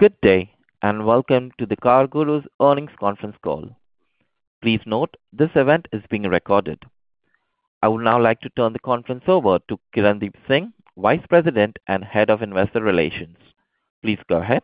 Good day, and welcome to the CarGurus Earnings Conference Call. Please note, this event is being recorded. I would now like to turn the conference over to Kirndeep Singh, Vice President and Head of Investor Relations. Please go ahead.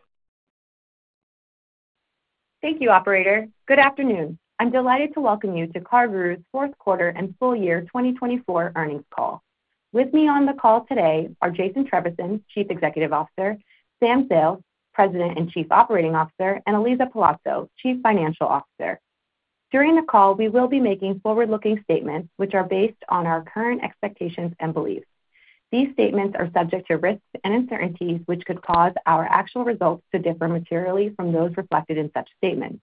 Thank you, Operator. Good afternoon. I'm delighted to welcome you to CarGurus' Fourth Quarter and Full Year 2024 Earnings Call. With me on the call today are Jason Trevisan, Chief Executive Officer, Sam Zales, President and Chief Operating Officer, and Elisa Palazzo, Chief Financial Officer. During the call, we will be making forward-looking statements which are based on our current expectations and beliefs. These statements are subject to risks and uncertainties which could cause our actual results to differ materially from those reflected in such statements.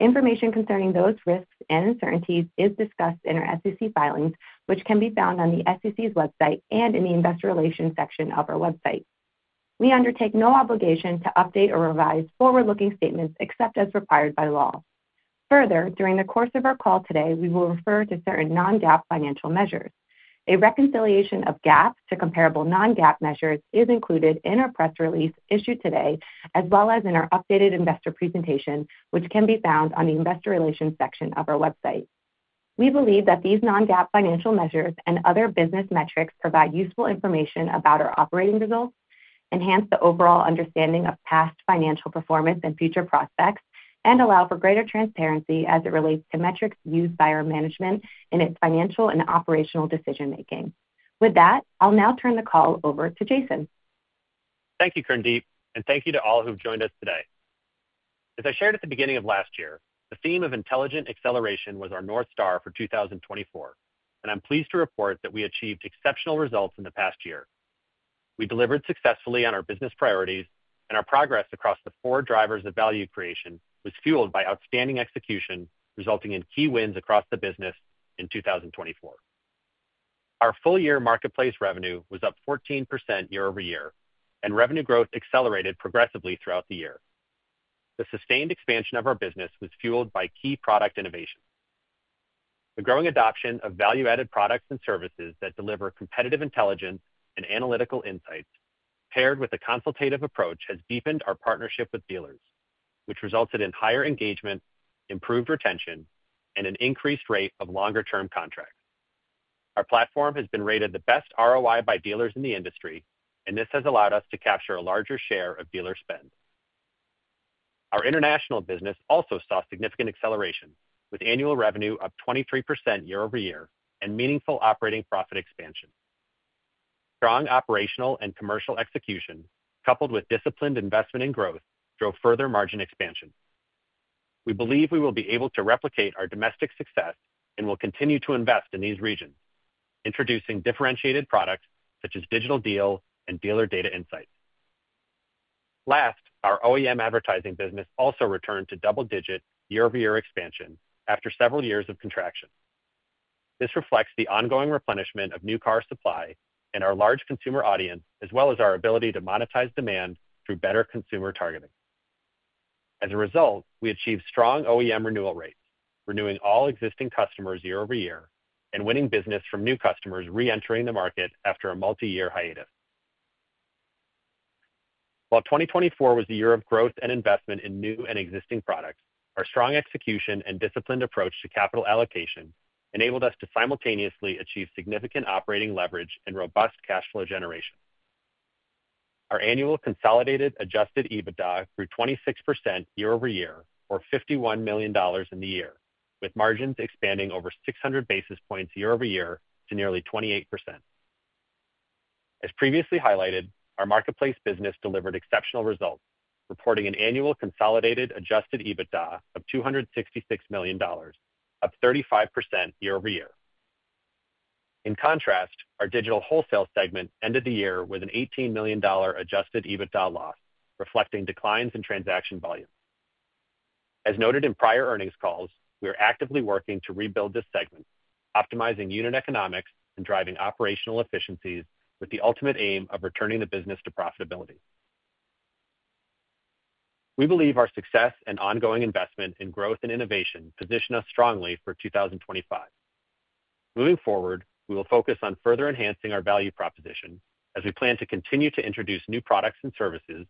Information concerning those risks and uncertainties is discussed in our SEC filings, which can be found on the SEC's website and in the Investor Relations section of our website. We undertake no obligation to update or revise forward-looking statements except as required by law. Further, during the course of our call today, we will refer to certain non-GAAP financial measures. A reconciliation of GAAP to comparable non-GAAP measures is included in our press release issued today, as well as in our updated investor presentation, which can be found on the Investor Relations section of our website. We believe that these non-GAAP financial measures and other business metrics provide useful information about our operating results, enhance the overall understanding of past financial performance and future prospects, and allow for greater transparency as it relates to metrics used by our management in its financial and operational decision-making. With that, I'll now turn the call over to Jason. Thank you, Kirndeep, and thank you to all who've joined us today. As I shared at the beginning of last year, the theme of Intelligent Acceleration was our North Star for 2024, and I'm pleased to report that we achieved exceptional results in the past year. We delivered successfully on our business priorities, and our progress across the four drivers of value creation was fueled by outstanding execution, resulting in key wins across the business in 2024. Our full-year Marketplace revenue was up 14% year-over-year, and revenue growth accelerated progressively throughout the year. The sustained expansion of our business was fueled by key product innovation. The growing adoption of value-added products and services that deliver competitive intelligence and analytical insights, paired with a consultative approach, has deepened our partnership with dealers, which resulted in higher engagement, improved retention, and an increased rate of longer-term contracts. Our platform has been rated the best ROI by dealers in the industry, and this has allowed us to capture a larger share of dealer spend. Our international business also saw significant acceleration, with annual revenue up 23% year-over-year and meaningful operating profit expansion. Strong operational and commercial execution, coupled with disciplined investment and growth, drove further margin expansion. We believe we will be able to replicate our domestic success and will continue to invest in these regions, introducing differentiated products such as Digital Deal and Dealer Data Insights. Last, our OEM advertising business also returned to double-digit year-over-year expansion after several years of contraction. This reflects the ongoing replenishment of new car supply and our large consumer audience, as well as our ability to monetize demand through better consumer targeting. As a result, we achieved strong OEM renewal rates, renewing all existing customers year-over-year and winning business from new customers re-entering the market after a multi-year hiatus. While 2024 was a year of growth and investment in new and existing products, our strong execution and disciplined approach to capital allocation enabled us to simultaneously achieve significant operating leverage and robust cash flow generation. Our annual consolidated Adjusted EBITDA grew 26% year-over-year, or $51 million in the year, with margins expanding over 600 basis points year-over-year to nearly 28%. As previously highlighted, our Marketplace business delivered exceptional results, reporting an annual consolidated Adjusted EBITDA of $266 million, up 35% year-over-year. In contrast, our Digital Wholesale segment ended the year with an $18 million Adjusted EBITDA loss, reflecting declines in transaction volume. As noted in prior earnings calls, we are actively working to rebuild this segment, optimizing unit economics and driving operational efficiencies with the ultimate aim of returning the business to profitability. We believe our success and ongoing investment in growth and innovation position us strongly for 2025. Moving forward, we will focus on further enhancing our value proposition as we plan to continue to introduce new products and services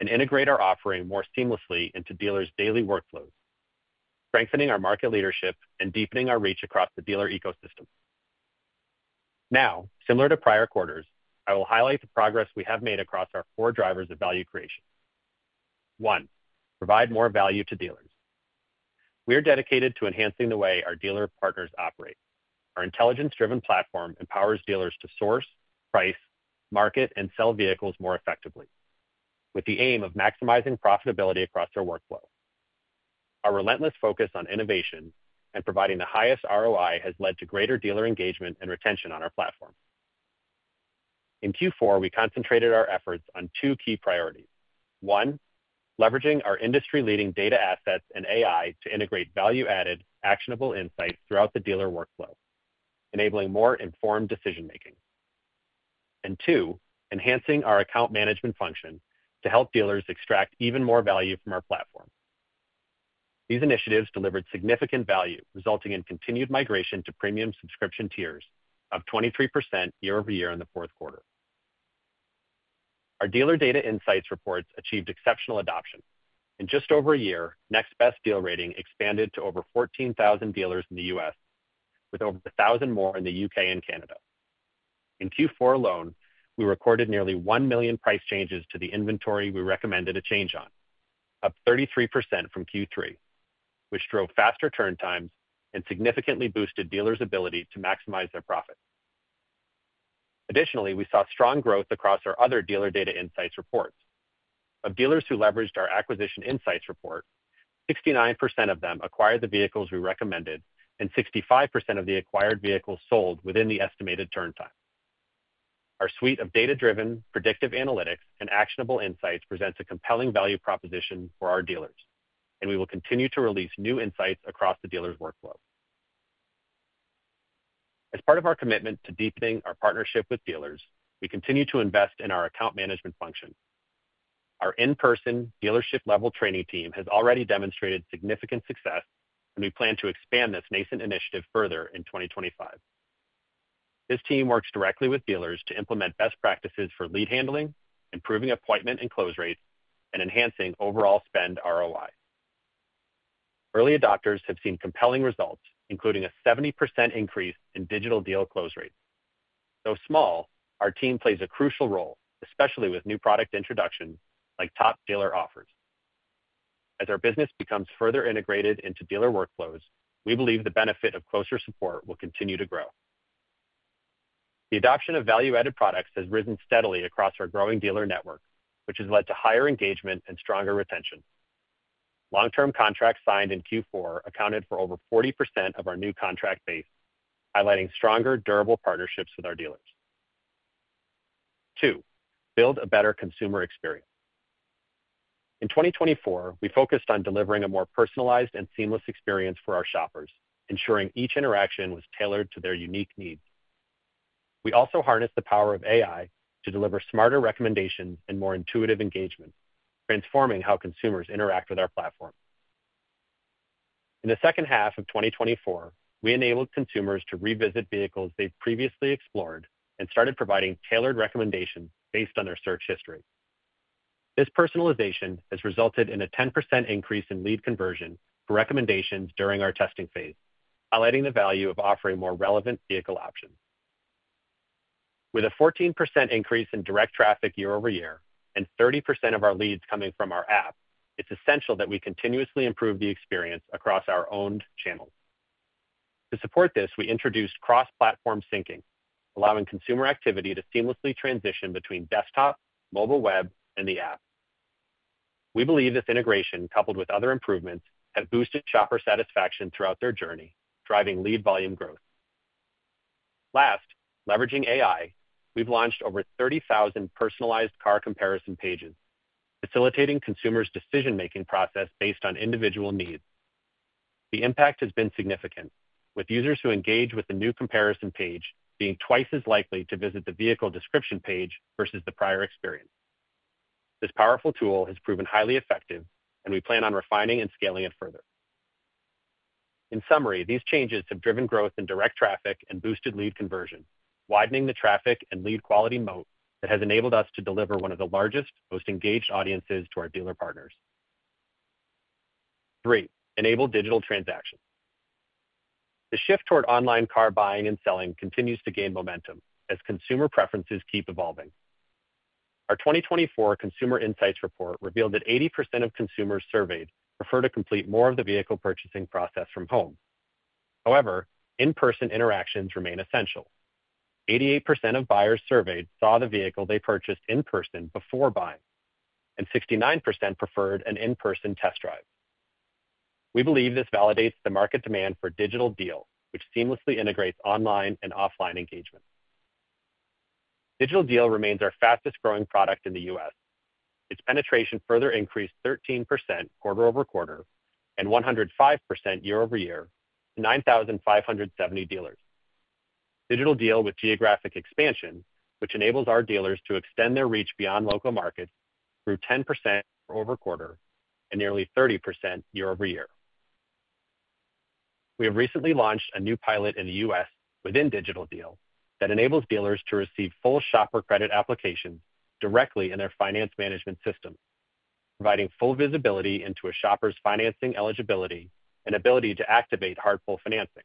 and integrate our offering more seamlessly into dealers' daily workflows, strengthening our market leadership and deepening our reach across the dealer ecosystem. Now, similar to prior quarters, I will highlight the progress we have made across our four drivers of value creation. One, provide more value to dealers. We are dedicated to enhancing the way our dealer partners operate. Our intelligence-driven platform empowers dealers to source, price, market, and sell vehicles more effectively, with the aim of maximizing profitability across their workflow. Our relentless focus on innovation and providing the highest ROI has led to greater dealer engagement and retention on our platform. In Q4, we concentrated our efforts on two key priorities. One, leveraging our industry-leading data assets and AI to integrate value-added, actionable insights throughout the dealer workflow, enabling more informed decision-making. And two, enhancing our account management function to help dealers extract even more value from our platform. These initiatives delivered significant value, resulting in continued migration to premium subscription tiers of 23% year-over-year in the fourth quarter. Our Dealer Data Insights reports achieved exceptional adoption. In just over a year, Next Best Deal Rating expanded to over 14,000 dealers in the U.S., with over 1,000 more in the U.K. and Canada. In Q4 alone, we recorded nearly one million price changes to the inventory we recommended a change on, up 33% from Q3, which drove faster turn times and significantly boosted dealers' ability to maximize their profits. Additionally, we saw strong growth across our other Dealer Data Insights reports. Of dealers who leveraged our Acquisition Insights Report, 69% of them acquired the vehicles we recommended, and 65% of the acquired vehicles sold within the estimated turn time. Our suite of data-driven predictive analytics and actionable insights presents a compelling value proposition for our dealers, and we will continue to release new insights across the dealer's workflow. As part of our commitment to deepening our partnership with dealers, we continue to invest in our account management function. Our in-person dealership-level training team has already demonstrated significant success, and we plan to expand this nascent initiative further in 2025. This team works directly with dealers to implement best practices for lead handling, improving appointment and close rates, and enhancing overall spend ROI. Early adopters have seen compelling results, including a 70% increase in Digital Deal close rates. Though small, our team plays a crucial role, especially with new product introductions like Top Dealer Offers. As our business becomes further integrated into dealer workflows, we believe the benefit of closer support will continue to grow. The adoption of value-added products has risen steadily across our growing dealer network, which has led to higher engagement and stronger retention. Long-term contracts signed in Q4 accounted for over 40% of our new contract base, highlighting stronger, durable partnerships with our dealers. Two, build a better consumer experience. In 2024, we focused on delivering a more personalized and seamless experience for our shoppers, ensuring each interaction was tailored to their unique needs. We also harnessed the power of AI to deliver smarter recommendations and more intuitive engagement, transforming how consumers interact with our platform. In the second half of 2024, we enabled consumers to revisit vehicles they've previously explored and started providing tailored recommendations based on their search history. This personalization has resulted in a 10% increase in lead conversion for recommendations during our testing phase, highlighting the value of offering more relevant vehicle options. With a 14% increase in direct traffic year-over-year and 30% of our leads coming from our app, it's essential that we continuously improve the experience across our owned channels. To support this, we introduced cross-platform syncing, allowing consumer activity to seamlessly transition between desktop, mobile web, and the app. We believe this integration, coupled with other improvements, has boosted shopper satisfaction throughout their journey, driving lead volume growth. Last, leveraging AI, we've launched over 30,000 personalized car comparison pages, facilitating consumers' decision-making process based on individual needs. The impact has been significant, with users who engage with the new comparison page being twice as likely to visit the vehicle description page versus the prior experience. This powerful tool has proven highly effective, and we plan on refining and scaling it further. In summary, these changes have driven growth in direct traffic and boosted lead conversion, widening the traffic and lead quality moat that has enabled us to deliver one of the largest, most engaged audiences to our dealer partners. Three, enable digital transactions. The shift toward online car buying and selling continues to gain momentum as consumer preferences keep evolving. Our 2024 Consumer Insights Report revealed that 80% of consumers surveyed prefer to complete more of the vehicle purchasing process from home. However, in-person interactions remain essential. 88% of buyers surveyed saw the vehicle they purchased in person before buying, and 69% preferred an in-person test drive. We believe this validates the market demand for Digital Deal, which seamlessly integrates online and offline engagement. Digital Deal remains our fastest-growing product in the U.S.. Its penetration further increased 13% quarter over quarter and 105% year-over-year to 9,570 dealers. Digital Deal with Geographic Expansion, which enables our dealers to extend their reach beyond local markets through 10% quarter over quarter and nearly 30% year-over-year. We have recently launched a new pilot in the U.S. within Digital Deal that enables dealers to receive full shopper credit applications directly in their finance management system, providing full visibility into a shopper's financing eligibility and ability to activate hard-pull financing.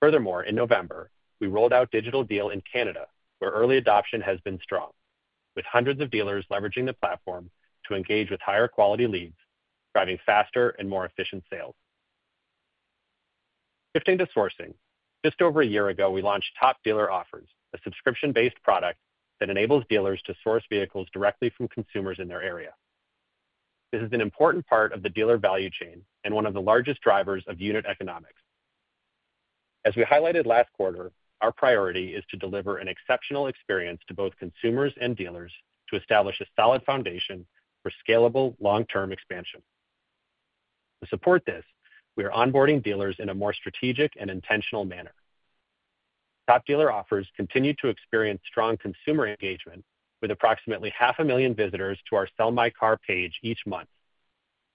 Furthermore, in November, we rolled out Digital Deal in Canada, where early adoption has been strong, with hundreds of dealers leveraging the platform to engage with higher-quality leads, driving faster and more efficient sales. Shifting to sourcing, just over a year ago, we launched Top Dealer Offers, a subscription-based product that enables dealers to source vehicles directly from consumers in their area. This is an important part of the dealer value chain and one of the largest drivers of unit economics. As we highlighted last quarter, our priority is to deliver an exceptional experience to both consumers and dealers to establish a solid foundation for scalable long-term expansion. To support this, we are onboarding dealers in a more strategic and intentional manner. Top Dealer Offers continue to experience strong consumer engagement with approximately 500,000 visitors to our Sell My Car page each month,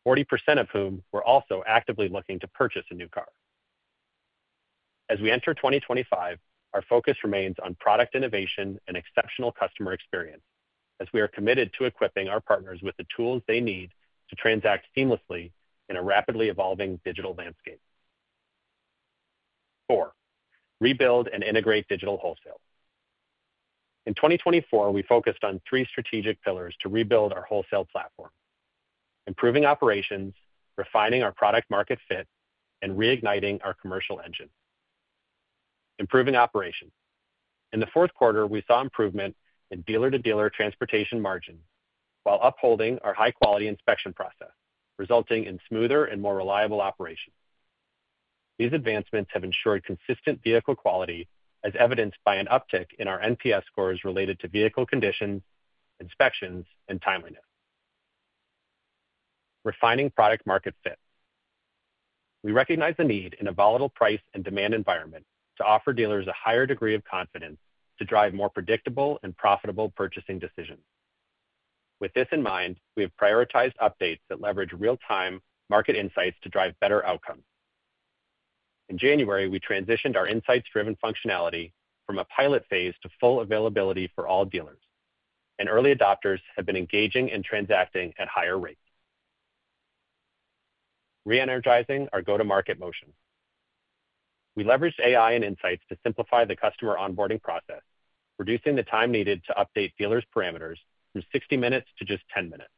40% of whom were also actively looking to purchase a new car. As we enter 2025, our focus remains on product innovation and exceptional customer experience, as we are committed to equipping our partners with the tools they need to transact seamlessly in a rapidly evolving digital landscape. Four, rebuild and integrate Digital Wholesale. In 2024, we focused on three strategic pillars to rebuild our wholesale platform: improving operations, refining our product-market fit, and reigniting our commercial engine. Improving operations. In the fourth quarter, we saw improvement in dealer-to-dealer transportation margins while upholding our high-quality inspection process, resulting in smoother and more reliable operations. These advancements have ensured consistent vehicle quality, as evidenced by an uptick in our NPS scores related to vehicle conditions, inspections, and timeliness. Refining product-market fit. We recognize the need in a volatile price and demand environment to offer dealers a higher degree of confidence to drive more predictable and profitable purchasing decisions. With this in mind, we have prioritized updates that leverage real-time market insights to drive better outcomes. In January, we transitioned our insights-driven functionality from a pilot phase to full availability for all dealers, and early adopters have been engaging and transacting at higher rates. Re-energizing our go-to-market motion. We leveraged AI and insights to simplify the customer onboarding process, reducing the time needed to update dealers' parameters from 60 minutes to just 10 minutes.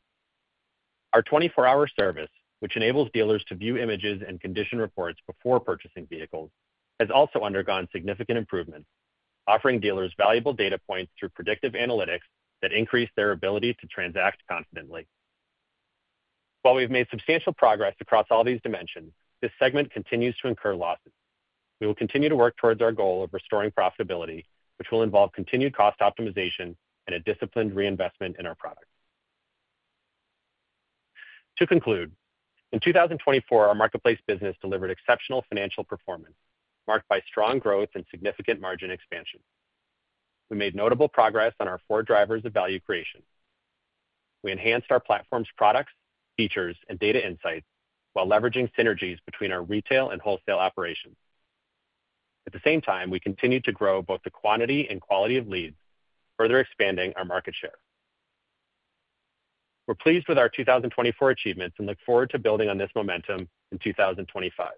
Our 24-hour service, which enables dealers to view images and condition reports before purchasing vehicles, has also undergone significant improvements, offering dealers valuable data points through predictive analytics that increase their ability to transact confidently. While we've made substantial progress across all these dimensions, this segment continues to incur losses. We will continue to work towards our goal of restoring profitability, which will involve continued cost optimization and a disciplined reinvestment in our product. To conclude, in 2024, our Marketplace business delivered exceptional financial performance, marked by strong growth and significant margin expansion. We made notable progress on our four drivers of value creation. We enhanced our platform's products, features, and data insights while leveraging synergies between our retail and wholesale operations.At the same time, we continue to grow both the quantity and quality of leads, further expanding our market share. We're pleased with our 2024 achievements and look forward to building on this momentum in 2025.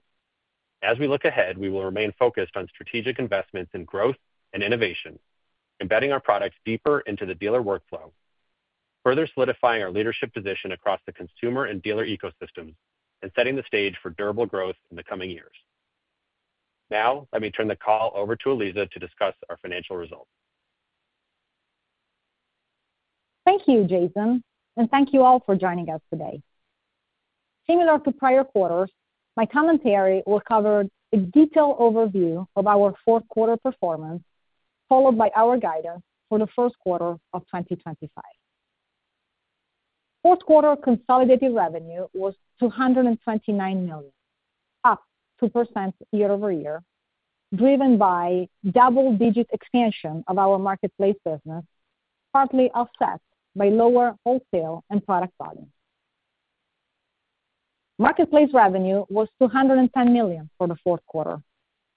As we look ahead, we will remain focused on strategic investments in growth and innovation, embedding our products deeper into the dealer workflow, further solidifying our leadership position across the consumer and dealer ecosystems, and setting the stage for durable growth in the coming years. Now, let me turn the call over to Elisa to discuss our financial results. Thank you, Jason, and thank you all for joining us today. Similar to prior quarters, my commentary will cover a detailed overview of our fourth quarter performance, followed by our guidance for the first quarter of 2025. Fourth quarter consolidated revenue was $229 million, up 2% year-over-year, driven by double-digit expansion of our Marketplace business, partly offset by lower wholesale and product volume. Marketplace revenue was $210 million for the fourth quarter,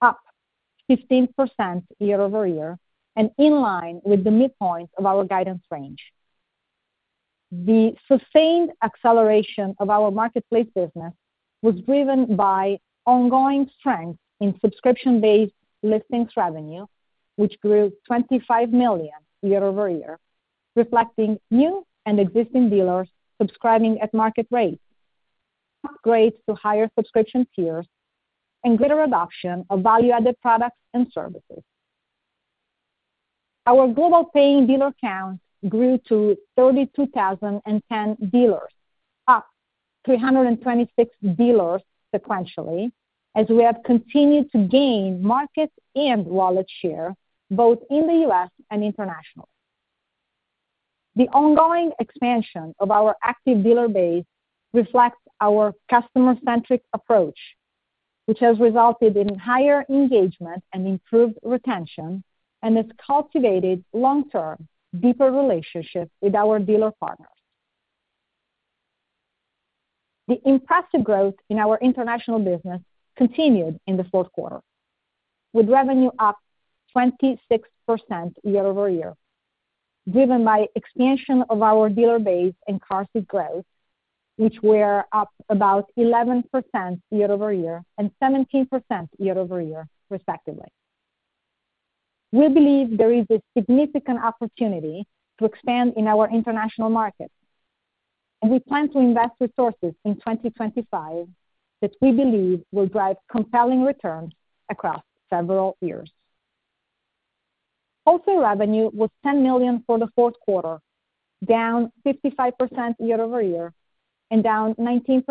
up 15% year-over-year, and in line with the midpoint of our guidance range. The sustained acceleration of our Marketplace business was driven by ongoing strength in subscription-based listings revenue, which grew $25 million year-over-year, reflecting new and existing dealers subscribing at market rates, upgrades to higher subscription tiers, and greater adoption of value-added products and services. Our global paying dealer count grew to 32,010 dealers, up 326 dealers sequentially, as we have continued to gain market and wallet share both in the U.S. and internationally. The ongoing expansion of our active dealer base reflects our customer-centric approach, which has resulted in higher engagement and improved retention, and has cultivated long term, deeper relationships with our dealer partners. The impressive growth in our international business continued in the fourth quarter, with revenue up 26% year-over-year, driven by expansion of our dealer base and car sales growth, which were up about 11% year-over-year and 17% year-over-year, respectively. We believe there is a significant opportunity to expand in our international markets, and we plan to invest resources in 2025 that we believe will drive compelling returns across several years. Wholesale revenue was $10 million for the fourth quarter, down 55% year-over-year and down 19%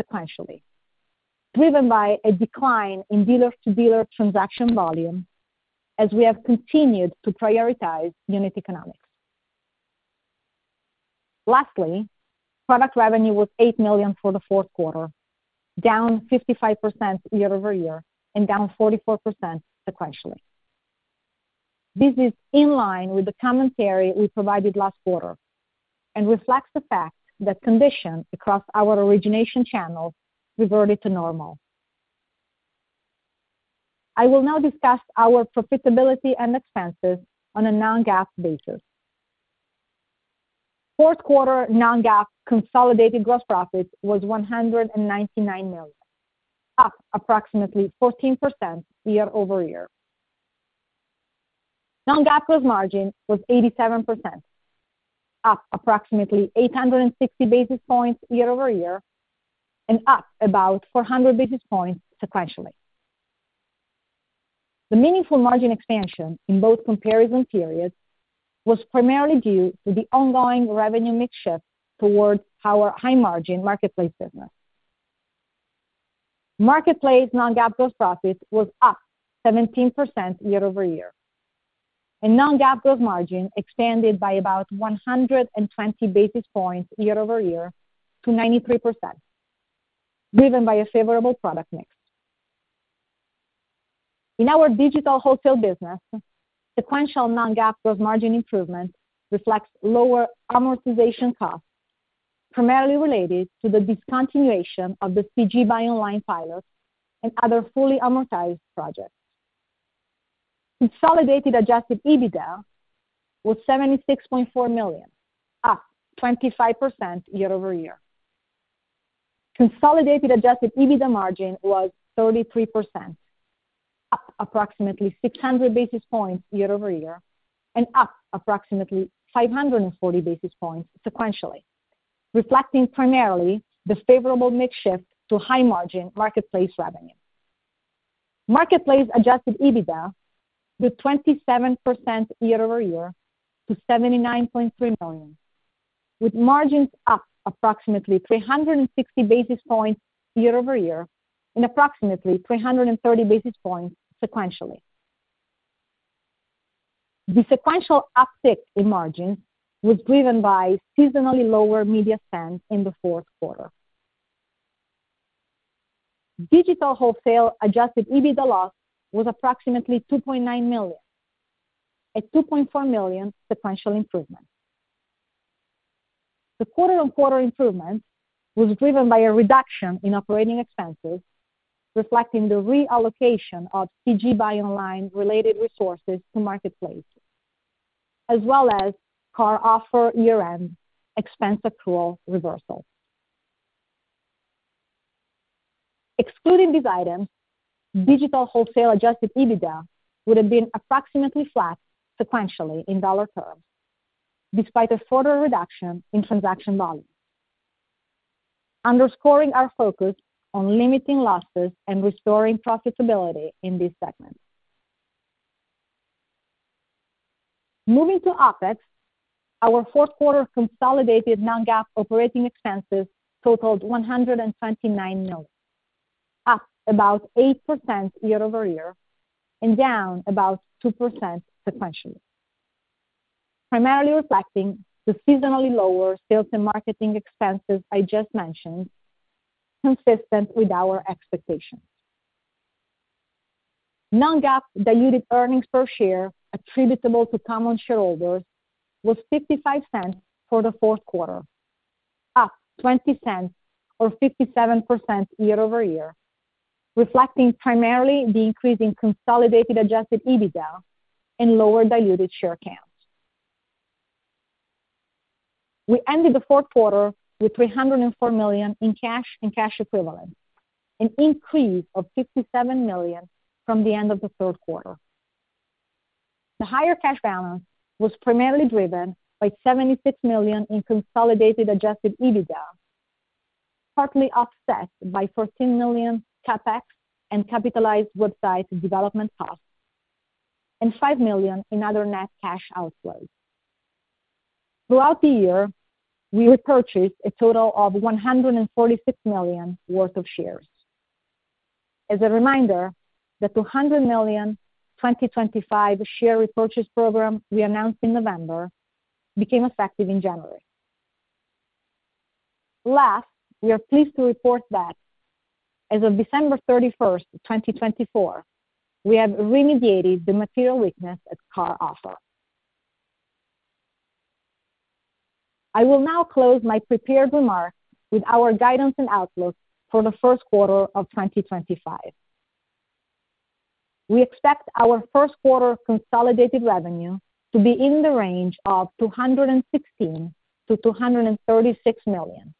sequentially, driven by a decline in dealer-to-dealer transaction volume as we have continued to prioritize unit economics. Lastly, Product revenue was $8 million for the fourth quarter, down 55% year-over-year and down 44% sequentially. This is in line with the commentary we provided last quarter and reflects the fact that conditions across our origination channels reverted to normal. I will now discuss our profitability and expenses on a non-GAAP basis. Fourth quarter non-GAAP consolidated gross profits was $199 million, up approximately 14% year-over-year. Non-GAAP gross margin was 87%, up approximately 860 basis points year-over-year and up about 400 basis points sequentially. The meaningful margin expansion in both comparison periods was primarily due to the ongoing revenue mix shift towards our high-margin Marketplace business. Marketplace non-GAAP gross profits was up 17% year-over-year, and non-GAAP gross margin expanded by about 120 basis points year-over-year to 93%, driven by a favorable product mix. In our Digital Wholesale business, sequential non-GAAP gross margin improvement reflects lower amortization costs, primarily related to the discontinuation of the CG Buy Online pilot and other fully amortized projects. Consolidated Adjusted EBITDA was $76.4 million, up 25% year-over-year. Consolidated Adjusted EBITDA margin was 33%, up approximately 600 basis points year-over-year and up approximately 540 basis points sequentially, reflecting primarily the favorable mix shift to high-margin Marketplace revenue. Marketplace Adjusted EBITDA grew 27% year-over-year to $79.3 million, with margins up approximately 360 basis points year-over-year and approximately 330 basis points sequentially. The sequential uptick in margins was driven by seasonally lower media spend in the fourth quarter. Digital Wholesale Adjusted EBITDA loss was approximately $2.9 million, a $2.4 million sequential improvement. The quarter-on-quarter improvement was driven by a reduction in operating expenses, reflecting the reallocation of CG Buy Online-related resources to Marketplace, as well as CarOffer year-end expense accrual reversal. Excluding these items, Digital Wholesale Adjusted EBITDA would have been approximately flat sequentially in dollar terms, despite a further reduction in transaction volume, underscoring our focus on limiting losses and restoring profitability in this segment. Moving to OpEx, our fourth quarter consolidated non-GAAP operating expenses totaled $129 million, up about 8% year-over-year and down about 2% sequentially, primarily reflecting the seasonally lower sales and marketing expenses I just mentioned, consistent with our expectations. Non-GAAP diluted earnings per share attributable to common shareholders was $0.55 for the fourth quarter, up $0.20 or 57% year-over-year, reflecting primarily the increase in consolidated Adjusted EBITDA and lower diluted share counts. We ended the fourth quarter with $304 million in cash and cash equivalents, an increase of $57 million from the end of the third quarter. The higher cash balance was primarily driven by $76 million in consolidated Adjusted EBITDA, partly offset by $14 million CapEx and capitalized website development costs, and $5 million in other net cash outflows. Throughout the year, we repurchased a total of $146 million worth of shares. As a reminder, the $200 million 2025 share repurchase program we announced in November became effective in January. Last, we are pleased to report that as of December 31st, 2024, we have remediated the material weakness at CarOffer. I will now close my prepared remarks with our guidance and outlook for the first quarter of 2025. We expect our first quarter consolidated revenue to be in the range of $216 million-$236 million,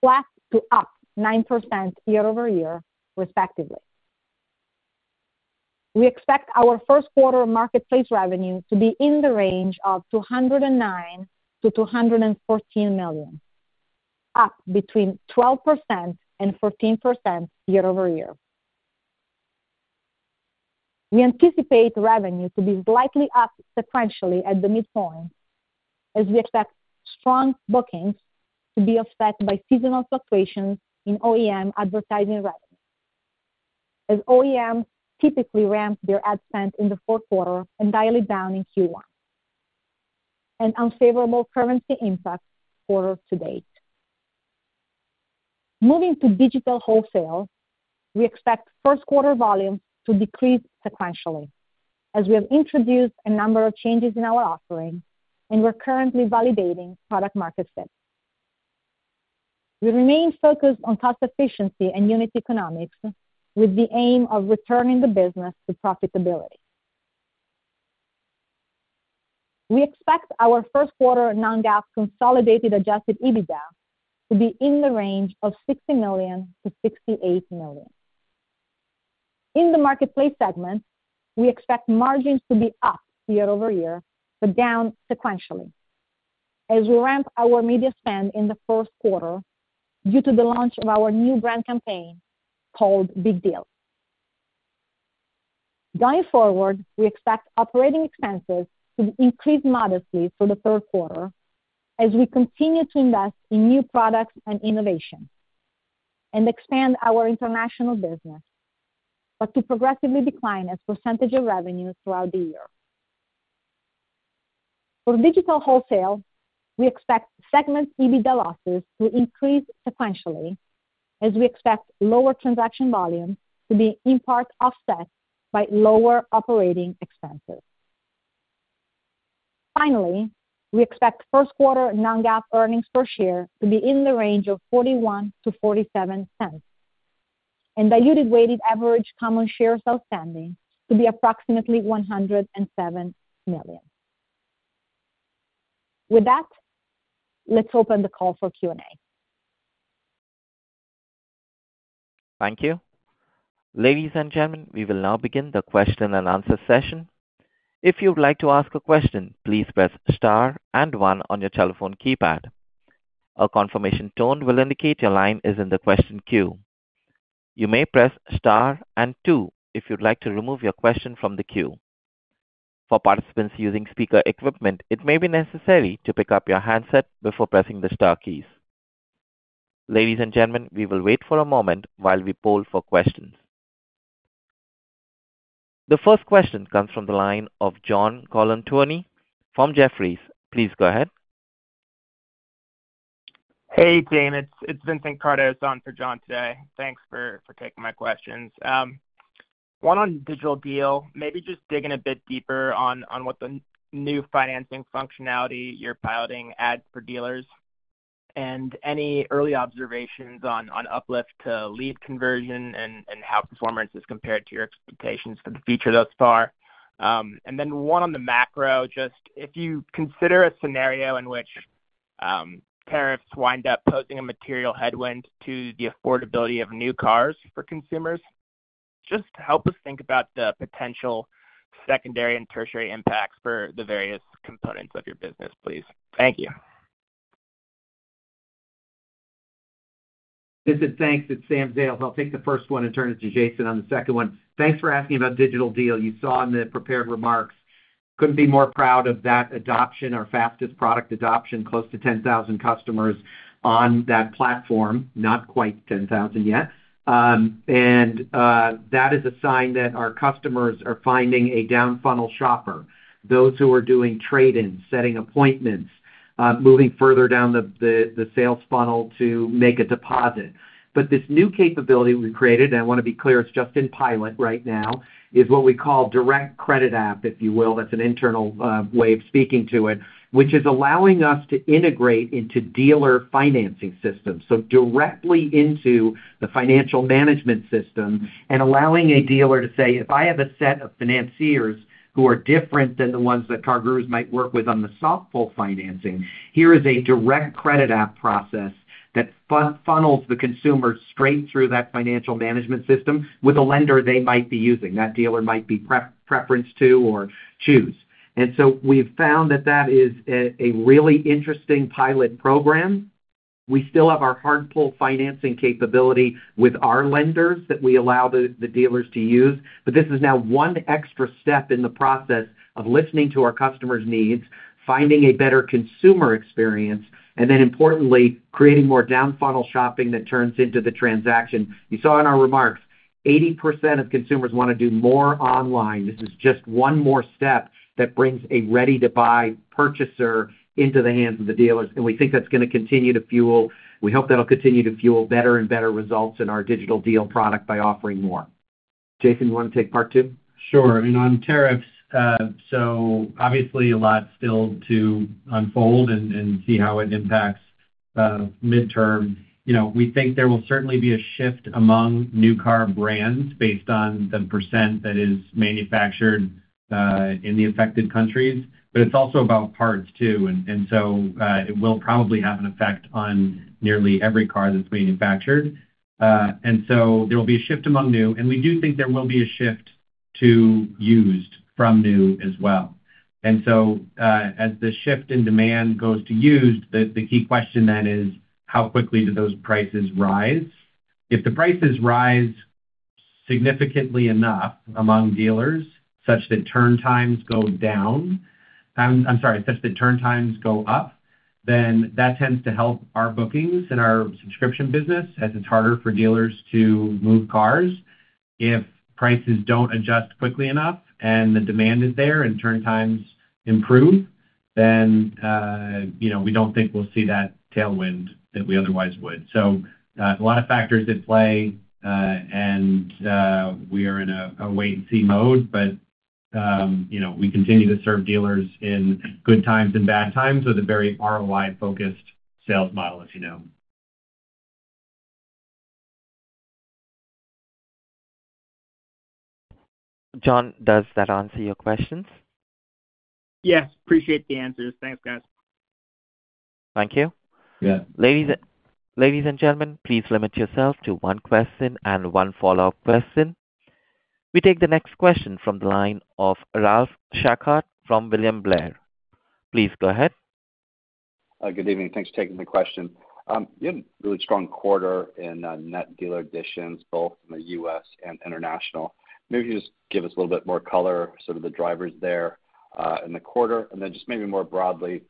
flat to up 9% year-over-year, respectively. We expect our first quarter Marketplace revenue to be in the range of $209 million-$214 million, up between 12% and 14% year-over-year. We anticipate revenue to be slightly up sequentially at the midpoint, as we expect strong bookings to be affected by seasonal fluctuations in OEM advertising revenue, as OEMs typically ramp their ad spend in the fourth quarter and dial it down in Q1, and unfavorable currency impacts quarter to date. Moving to Digital Wholesale, we expect first quarter volumes to decrease sequentially, as we have introduced a number of changes in our offering and we're currently validating product market fit. We remain focused on cost efficiency and unit economics with the aim of returning the business to profitability. We expect our first quarter non-GAAP consolidated Adjusted EBITDA to be in the range of $60 million-$68 million. In the Marketplace segment, we expect margins to be up year-over-year, but down sequentially, as we ramp our media spend in the first quarter due to the launch of our new brand campaign called Big Deal. Going forward, we expect operating expenses to increase modestly for the third quarter, as we continue to invest in new products and innovation and expand our international business, but to progressively decline as percentage of revenue throughout the year. For Digital Wholesale, we expect segment EBITDA losses to increase sequentially, as we expect lower transaction volume to be in part offset by lower operating expenses. Finally, we expect first quarter non-GAAP earnings per share to be in the range of $0.41-$0.47, and diluted weighted average common shares outstanding to be approximately 107 million. With that, let's open the call for Q&A. Thank you. Ladies and gentlemen, we will now begin the question and answer session. If you would like to ask a question, please press star and one on your telephone keypad. A confirmation tone will indicate your line is in the question queue. You may press star and two if you'd like to remove your question from the queue. For participants using speaker equipment, it may be necessary to pick up your handset before pressing the star keys. Ladies and gentlemen, we will wait for a moment while we poll for questions. The first question comes from the line of John Colantuoni from Jefferies. Please go ahead. Hey, it's Vincent Kardos on for John today. Thanks for taking my questions. One on Digital Deal, maybe just digging a bit deeper on what the new financing functionality you're piloting adds for dealers, and any early observations on uplift to lead conversion and how performance is compared to your expectations for the future thus far. Then one on the macro, just if you consider a scenario in which tariffs wind up posing a material headwind to the affordability of new cars for consumers, just help us think about the potential secondary and tertiary impacts for the various components of your business, please. Thank you. Thanks it's Sam Zales. I'll take the first one and turn it to Jason on the second one. Thanks for asking about Digital Deal. You saw in the prepared remarks. Couldn't be more proud of that adoption, our fastest product adoption, close to 10,000 customers on that platform, not quite 10,000 yet. And that is a sign that our customers are finding a down funnel shopper, those who are doing trade-ins, setting appointments, moving further down the sales funnel to make a deposit. But this new capability we've created, and I want to be clear, it's just in pilot right now, is what we call direct credit app, if you will. That's an internal way of speaking to it, which is allowing us to integrate into dealer financing systems, so directly into the financial management system and allowing a dealer to say, "If I have a set of financiers who are different than the ones that CarGurus might work with on the soft-pull financing, here is a direct credit app process that funnels the consumer straight through that financial management system with a lender they might be using." That dealer might prefer to or choose. And so we've found that that is a really interesting pilot program. We still have our hard-pull financing capability with our lenders that we allow the dealers to use, but this is now one extra step in the process of listening to our customers' needs, finding a better consumer experience, and then importantly, creating more down funnel shopping that turns into the transaction. You saw in our remarks, 80% of consumers want to do more online. This is just one more step that brings a ready-to-buy purchaser into the hands of the dealers. And we think that's going to continue to fuel. We hope that'll continue to fuel better and better results in our Digital Deal product by offering more. Jason, you want to take part two? Sure. I mean, on tariffs, so obviously a lot still to unfold and see how it impacts midterm. We think there will certainly be a shift among new car brands based on the percent that is manufactured in the affected countries, but it's also about parts too. And so it will probably have an effect on nearly every car that's manufactured. And so there will be a shift among new, and we do think there will be a shift to used from new as well. And so as the shift in demand goes to used, the key question then is, how quickly do those prices rise? If the prices rise significantly enough among dealers such that turn times go down, I'm sorry, such that turn times go up, then that tends to help our bookings and our subscription business, as it's harder for dealers to move cars. If prices don't adjust quickly enough and the demand is there and turn times improve, then we don't think we'll see that tailwind that we otherwise would. So a lot of factors at play, and we are in a wait-and-see mode, but we continue to serve dealers in good times and bad times with a very ROI-focused sales model, as you know. John, does that answer your questions? Yes. Appreciate the answers. Thanks, guys. Thank you. Ladies and gentlemen, please limit yourself to one question and one follow-up question. We take the next question from the line of Ralph Schackart from William Blair. Please go ahead. Good evening. Thanks for taking the question. You had a really strong quarter in net dealer additions, both in the U.S. and international. Maybe just give us a little bit more color, sort of the drivers there in the quarter, and then just maybe more broadly,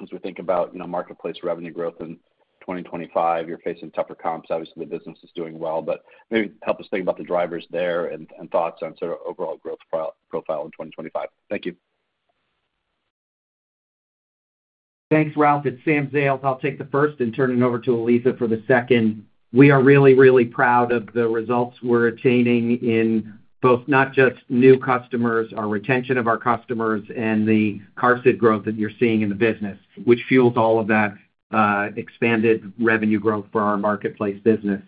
as we think about Marketplace revenue growth in 2025. You're facing tougher comps. Obviously, the business is doing well, but maybe help us think about the drivers there and thoughts on sort of overall growth profile in 2025. Thank you. Thanks, Ralph. It's Sam Zales. I'll take the first and turn it over to Elisa for the second. We are really, really proud of the results we're attaining in both not just new customers, our retention of our customers, and the QARSD growth that you're seeing in the business, which fuels all of that expanded revenue growth for our Marketplace business.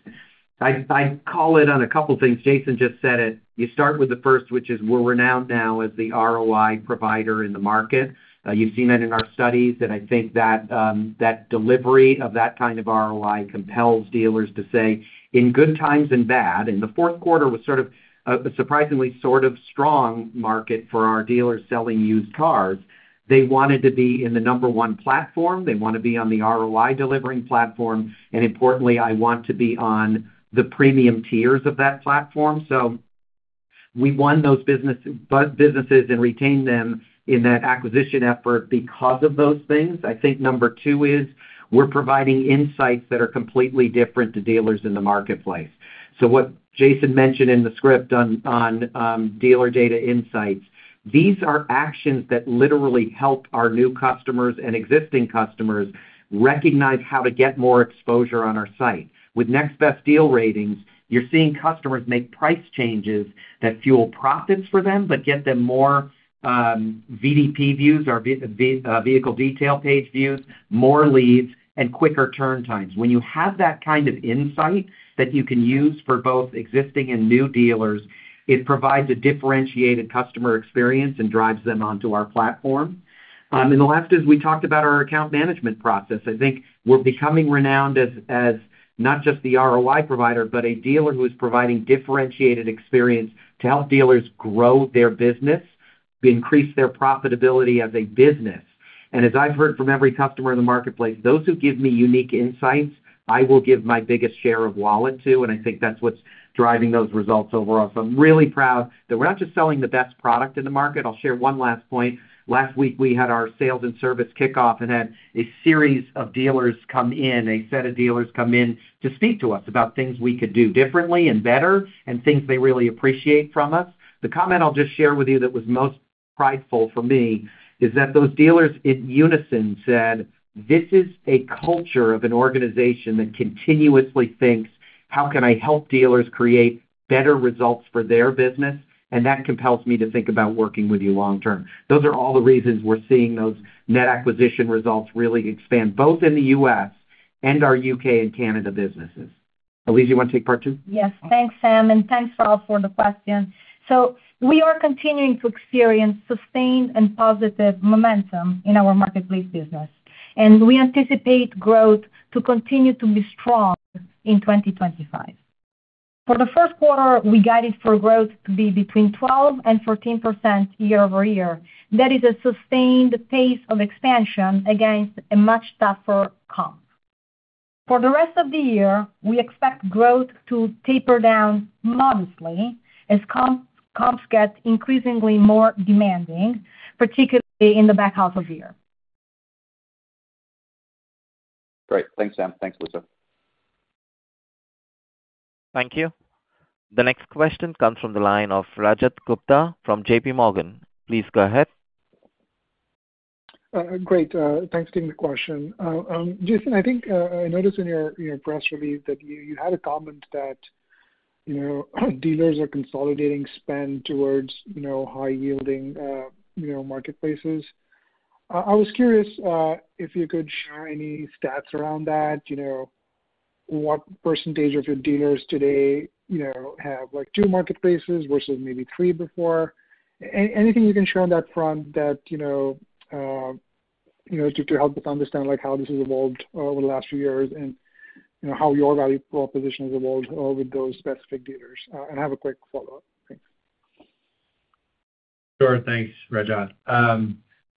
I'd call it on a couple of things. Jason just said it. You start with the first, which is we're renowned now as the ROI provider in the market. You've seen that in our studies, and I think that delivery of that kind of ROI compels dealers to say, in good times and bad, in the fourth quarter was sort of a surprisingly sort of strong market for our dealers selling used cars. They wanted to be in the number one platform. They want to be on the ROI delivering platform. And importantly, I want to be on the premium tiers of that platform. So we won those businesses and retained them in that acquisition effort because of those things. I think number two is we're providing insights that are completely different to dealers in the marketplace. What Jason mentioned in the script on Dealer Data Insights, these are actions that literally help our new customers and existing customers recognize how to get more exposure on our site. With Next Best Deal ratings, you're seeing customers make price changes that fuel profits for them, but get them more VDP views, our vehicle detail page views, more leads, and quicker turn times. When you have that kind of insight that you can use for both existing and new dealers, it provides a differentiated customer experience and drives them onto our platform. The last is we talked about our account management process. I think we're becoming renowned as not just the ROI provider, but a dealer who is providing differentiated experience to help dealers grow their business, increase their profitability as a business. And as I've heard from every customer in the marketplace, those who give me unique insights, I will give my biggest share of wallet to, and I think that's what's driving those results overall. So I'm really proud that we're not just selling the best product in the market. I'll share one last point. Last week, we had our sales and service kickoff and had a series of dealers come in, a set of dealers come in to speak to us about things we could do differently and better and things they really appreciate from us. The comment I'll just share with you that was most prideful for me is that those dealers in unison said, "This is a culture of an organization that continuously thinks, 'How can I help dealers create better results for their business?' And that compels me to think about working with you long term." Those are all the reasons we're seeing those net acquisition results really expand, both in the U.S. and our U.K. and Canada businesses. Elisa, you want to take part two? Yes. Thanks, Sam, and thanks, Ralph, for the question. So we are continuing to experience sustained and positive momentum in our Marketplace business, and we anticipate growth to continue to be strong in 2025. For the first quarter, we guided for growth to be between 12%-14% year-over-year. That is a sustained pace of expansion against a much tougher comp. For the rest of the year, we expect growth to taper down modestly as comps get increasingly more demanding, particularly in the back half of the year. Great. Thanks, Sam. Thanks, Elisa. Thank you. The next question comes from the line of Rajat Gupta from JPMorgan. Please go ahead. Great. Thanks for taking the question. Jason, I think I noticed in your press release that you had a comment that dealers are consolidating spend towards high-yielding marketplaces. I was curious if you could share any stats around that, what percentage of your dealers today have two marketplaces versus maybe three before. Anything you can share on that front that to help us understand how this has evolved over the last few years and how your value proposition has evolved with those specific dealers? And I have a quick follow-up. Thanks. Sure. Thanks, Rajat.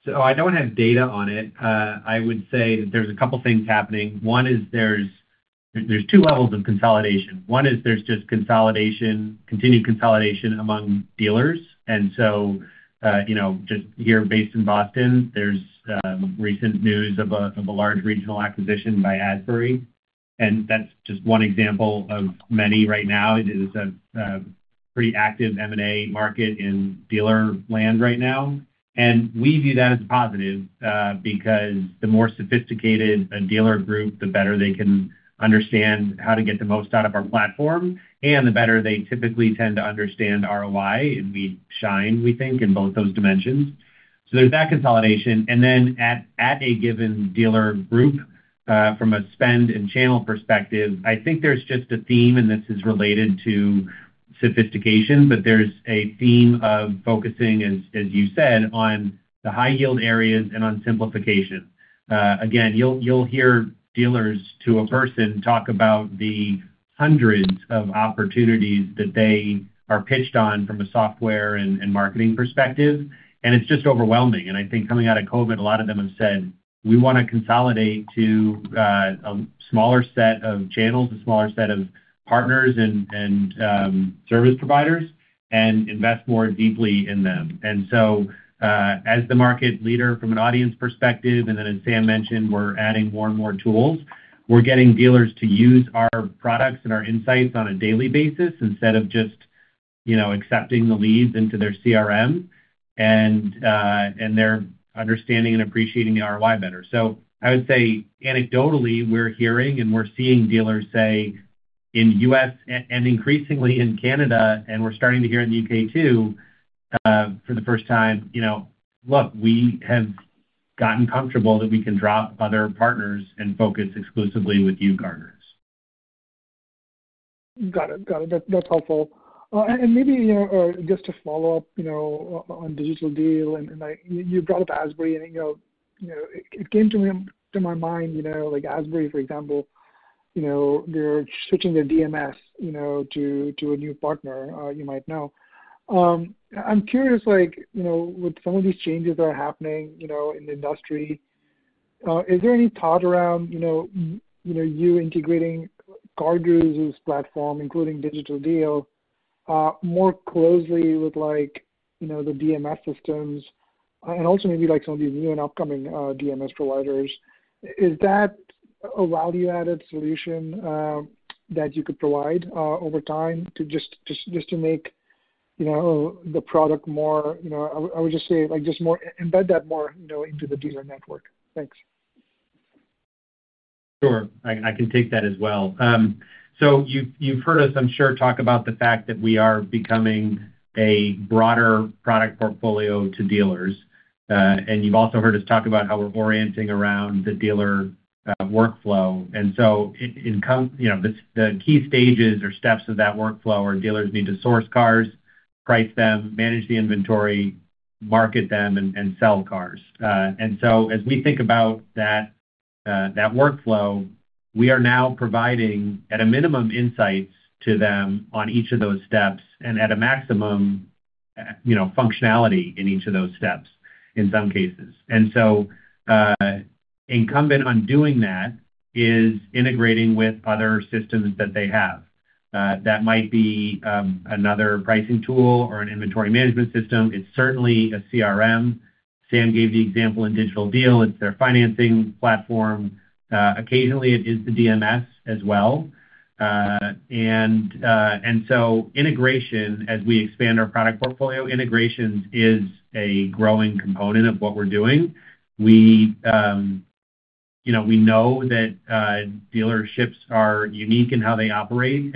So I don't have data on it. I would say that there's a couple of things happening. One is there's two levels of consolidation. One is there's just continued consolidation among dealers, and so just here based in Boston, there's recent news of a large regional acquisition by Asbury. And that's just one example of many right now. It is a pretty active M&A market in dealer land right now, and we view that as a positive because the more sophisticated a dealer group, the better they can understand how to get the most out of our platform, and the better they typically tend to understand ROI and we shine, we think, in both those dimensions. So there's that consolidation. And then at a given dealer group, from a spend and channel perspective, I think there's just a theme, and this is related to sophistication, but there's a theme of focusing, as you said, on the high-yield areas and on simplification. Again, you'll hear dealers to a person talk about the hundreds of opportunities that they are pitched on from a software and marketing perspective. And it's just overwhelming. And I think coming out of COVID, a lot of them have said, "We want to consolidate to a smaller set of channels, a smaller set of partners and service providers, and invest more deeply in them." And so as the market leader from an audience perspective, and then as Sam mentioned, we're adding more and more tools. We're getting dealers to use our products and our insights on a daily basis instead of just accepting the leads into their CRM and they're understanding and appreciating the ROI better. So I would say anecdotally, we're hearing and we're seeing dealers say in the U.S. and increasingly in Canada, and we're starting to hear in the U.K. too for the first time, "Look, we have gotten comfortable that we can drop other partners and focus exclusively with you, CarGurus." Got it. Got it. That's helpful. And maybe just to follow up on Digital Deal, and you brought up Asbury, and it came to my mind, like Asbury, for example, they're switching their DMS to a new partner, you might know. I'm curious, with some of these changes that are happening in the industry, is there any thought around you integrating CarGurus' platform, including digital deal, more closely with the DMS systems and also maybe some of these new and upcoming DMS providers? Is that a value-added solution that you could provide over time just to make the product more-I would just say just embed that more into the dealer network? Thanks. Sure. I can take that as well. So you've heard us, I'm sure, talk about the fact that we are becoming a broader product portfolio to dealers. And you've also heard us talk about how we're orienting around the dealer workflow. And so the key stages or steps of that workflow are dealers need to source cars, price them, manage the inventory, market them, and sell cars. And so as we think about that workflow, we are now providing, at a minimum, insights to them on each of those steps and at a maximum, functionality in each of those steps in some cases. And so incumbent on doing that is integrating with other systems that they have. That might be another pricing tool or an inventory management system. It's certainly a CRM. Sam gave the example in Digital Deal. It's their financing platform. Occasionally, it is the DMS as well. And so integration, as we expand our product portfolio, integration is a growing component of what we're doing. We know that dealerships are unique in how they operate,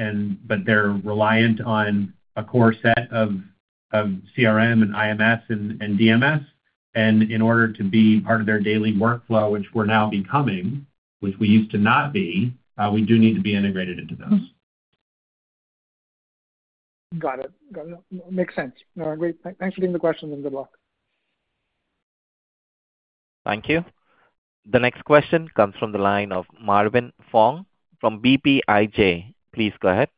but they're reliant on a core set of CRM and IMS and DMS. And in order to be part of their daily workflow, which we're now becoming, which we used to not be, we do need to be integrated into those. Got it. Got it. Makes sense. Great. Thanks for taking the question and good luck. Thank you. The next question comes from the line of Marvin Fong from BTIG. Please go ahead.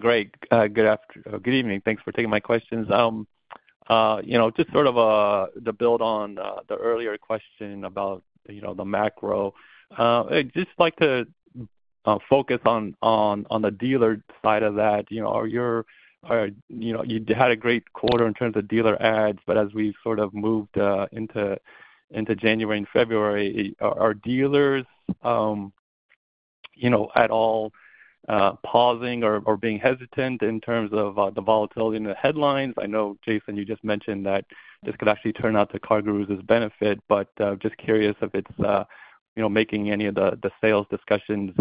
Great. Good evening. Thanks for taking my questions. Just sort of to build on the earlier question about the macro, I'd just like to focus on the dealer side of that. You had a great quarter in terms of dealer ads, but as we've sort of moved into January and February, are dealers at all pausing or being hesitant in terms of the volatility in the headlines? I know, Jason, you just mentioned that this could actually turn out to CarGurus' benefit, but just curious if it's making any of the sales discussions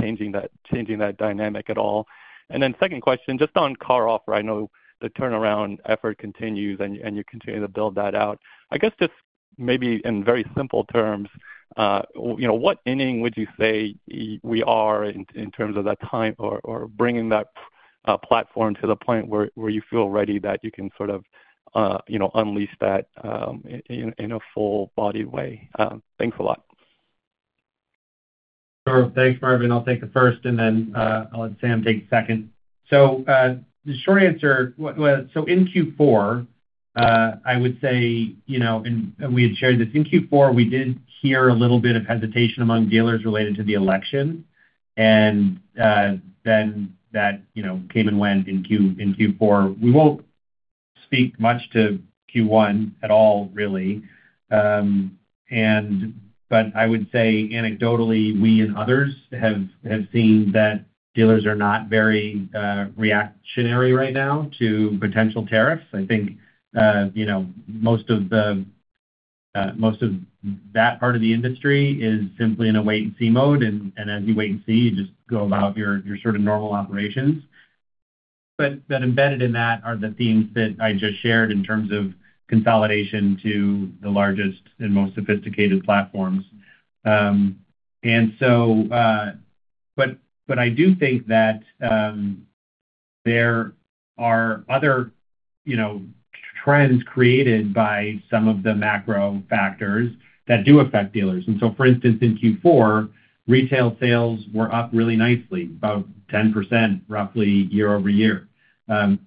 changing that dynamic at all? And then second question, just on CarOffer, I know the turnaround effort continues and you continue to build that out. I guess just maybe in very simple terms, what inning would you say we are in terms of that time or bringing that platform to the point where you feel ready that you can sort of unleash that in a full-bodied way? Thanks a lot. Sure. Thanks, Marvin. I'll take the first, and then I'll let Sam take the second. So the short answer, so in Q4, I would say, and we had shared this, in Q4, we did hear a little bit of hesitation among dealers related to the election, and then that came and went in Q4. We won't speak much to Q1 at all, really. But I would say anecdotally, we and others have seen that dealers are not very reactionary right now to potential tariffs. I think most of that part of the industry is simply in a wait-and-see mode. And as you wait and see, you just go about your sort of normal operations. But embedded in that are the themes that I just shared in terms of consolidation to the largest and most sophisticated platforms. And so, but I do think that there are other trends created by some of the macro factors that do affect dealers. And so, for instance, in Q4, retail sales were up really nicely, about 10%, roughly year-over-year.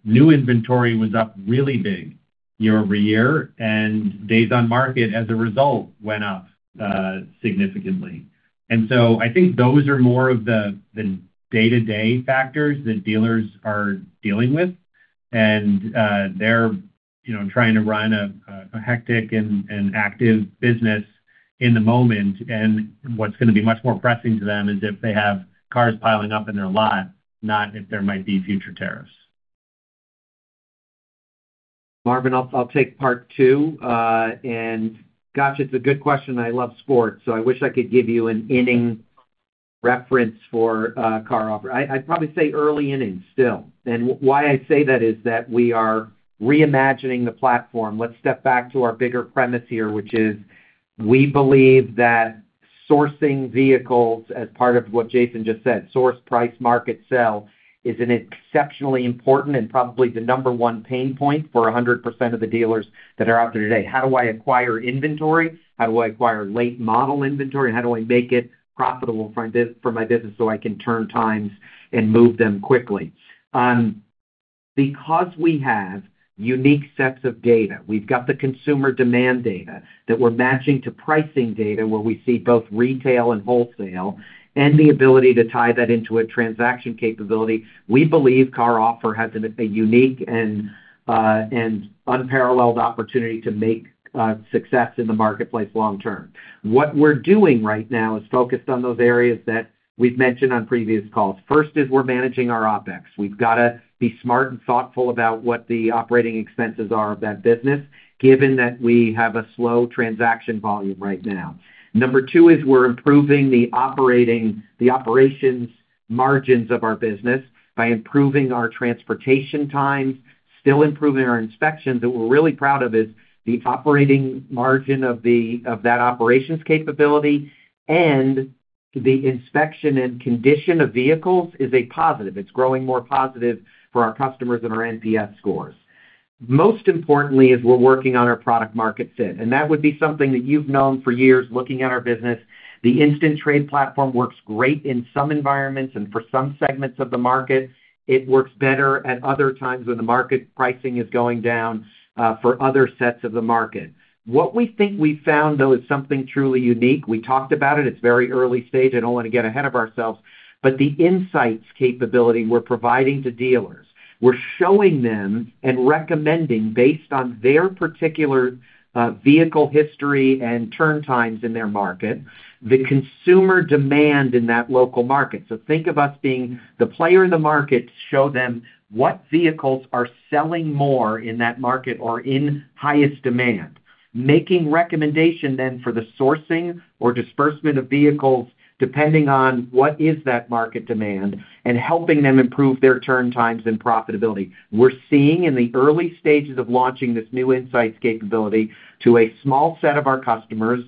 New inventory was up really big year-over-year, and days on market as a result went up significantly. And so I think those are more of the day-to-day factors that dealers are dealing with. And they're trying to run a hectic and active business in the moment. And what's going to be much more pressing to them is if they have cars piling up in their lot, not if there might be future tariffs. Marvin, I'll take part two. And gosh, it's a good question. I love sports. So I wish I could give you an inning reference for CarOffer. I'd probably say early innings still. And why I say that is that we are reimagining the platform. Let's step back to our bigger premise here, which is we believe that sourcing vehicles as part of what Jason just said, source, price, market, sell, is an exceptionally important and probably the number one pain point for 100% of the dealers that are out there today. How do I acquire inventory? How do I acquire late-model inventory? And how do I make it profitable for my business so I can turn times and move them quickly? Because we have unique sets of data, we've got the consumer demand data that we're matching to pricing data where we see both retail and wholesale and the ability to tie that into a transaction capability. We believe CarOffer has a unique and unparalleled opportunity to make success in the marketplace long-term. What we're doing right now is focused on those areas that we've mentioned on previous calls. First is, we're managing our OpEx. We've got to be smart and thoughtful about what the operating expenses are of that business, given that we have a slow transaction volume right now. Number two is, we're improving the operating margins of our business by improving our transportation times, still improving our inspections. What we're really proud of is the operating margin of that operations capability, and the inspection and condition of vehicles is a positive. It's growing more positive for our customers and our NPS scores. Most importantly, as we're working on our product market fit, and that would be something that you've known for years looking at our business. The Instant Trade platform works great in some environments, and for some segments of the market, it works better at other times when the market pricing is going down for other sets of the market. What we think we've found, though, is something truly unique. We talked about it. It's very early stage. I don't want to get ahead of ourselves. But the insights capability we're providing to dealers, we're showing them and recommending based on their particular vehicle history and turn times in their market, the consumer demand in that local market. So think of us being the player in the market to show them what vehicles are selling more in that market or in highest demand, making recommendation then for the sourcing or disbursement of vehicles depending on what is that market demand and helping them improve their turn times and profitability. We're seeing in the early stages of launching this new insights capability to a small set of our customers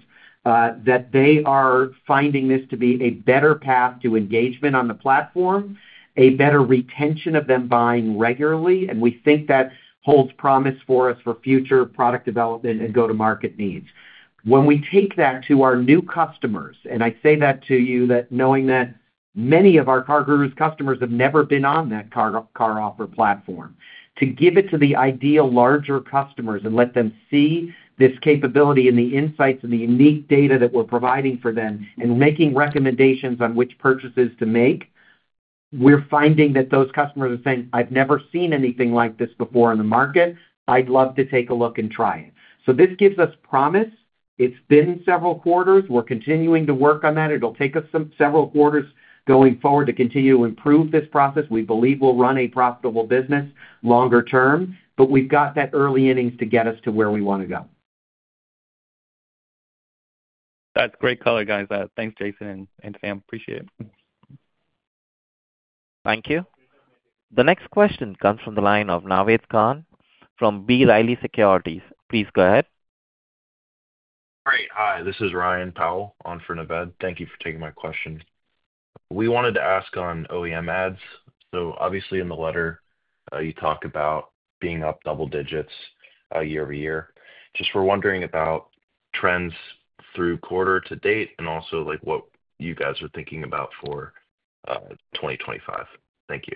that they are finding this to be a better path to engagement on the platform, a better retention of them buying regularly. And we think that holds promise for us for future product development and go-to-market needs. When we take that to our new customers, and I say that to you, knowing that many of our CarGurus customers have never been on that CarOffer platform, to give it to the ideal larger customers and let them see this capability and the insights and the unique data that we're providing for them and making recommendations on which purchases to make, we're finding that those customers are saying, "I've never seen anything like this before in the market. I'd love to take a look and try it." So this gives us promise. It's been several quarters. We're continuing to work on that. It'll take us several quarters going forward to continue to improve this process. We believe we'll run a profitable business longer term, but we've got that early innings to get us to where we want to go. That's great color, guys. Thanks, Jason and Sam. Appreciate it. Thank you. The next question comes from the line of Naved Khan from B. Riley Securities. Please go ahead. Great. Hi. This is Ryan Powell on for Naved. Thank you for taking my question. We wanted to ask on OEM ads. So obviously in the letter, you talk about being up double digits year-over-year. Just we're wondering about trends through quarter to date and also what you guys are thinking about for 2025. Thank you.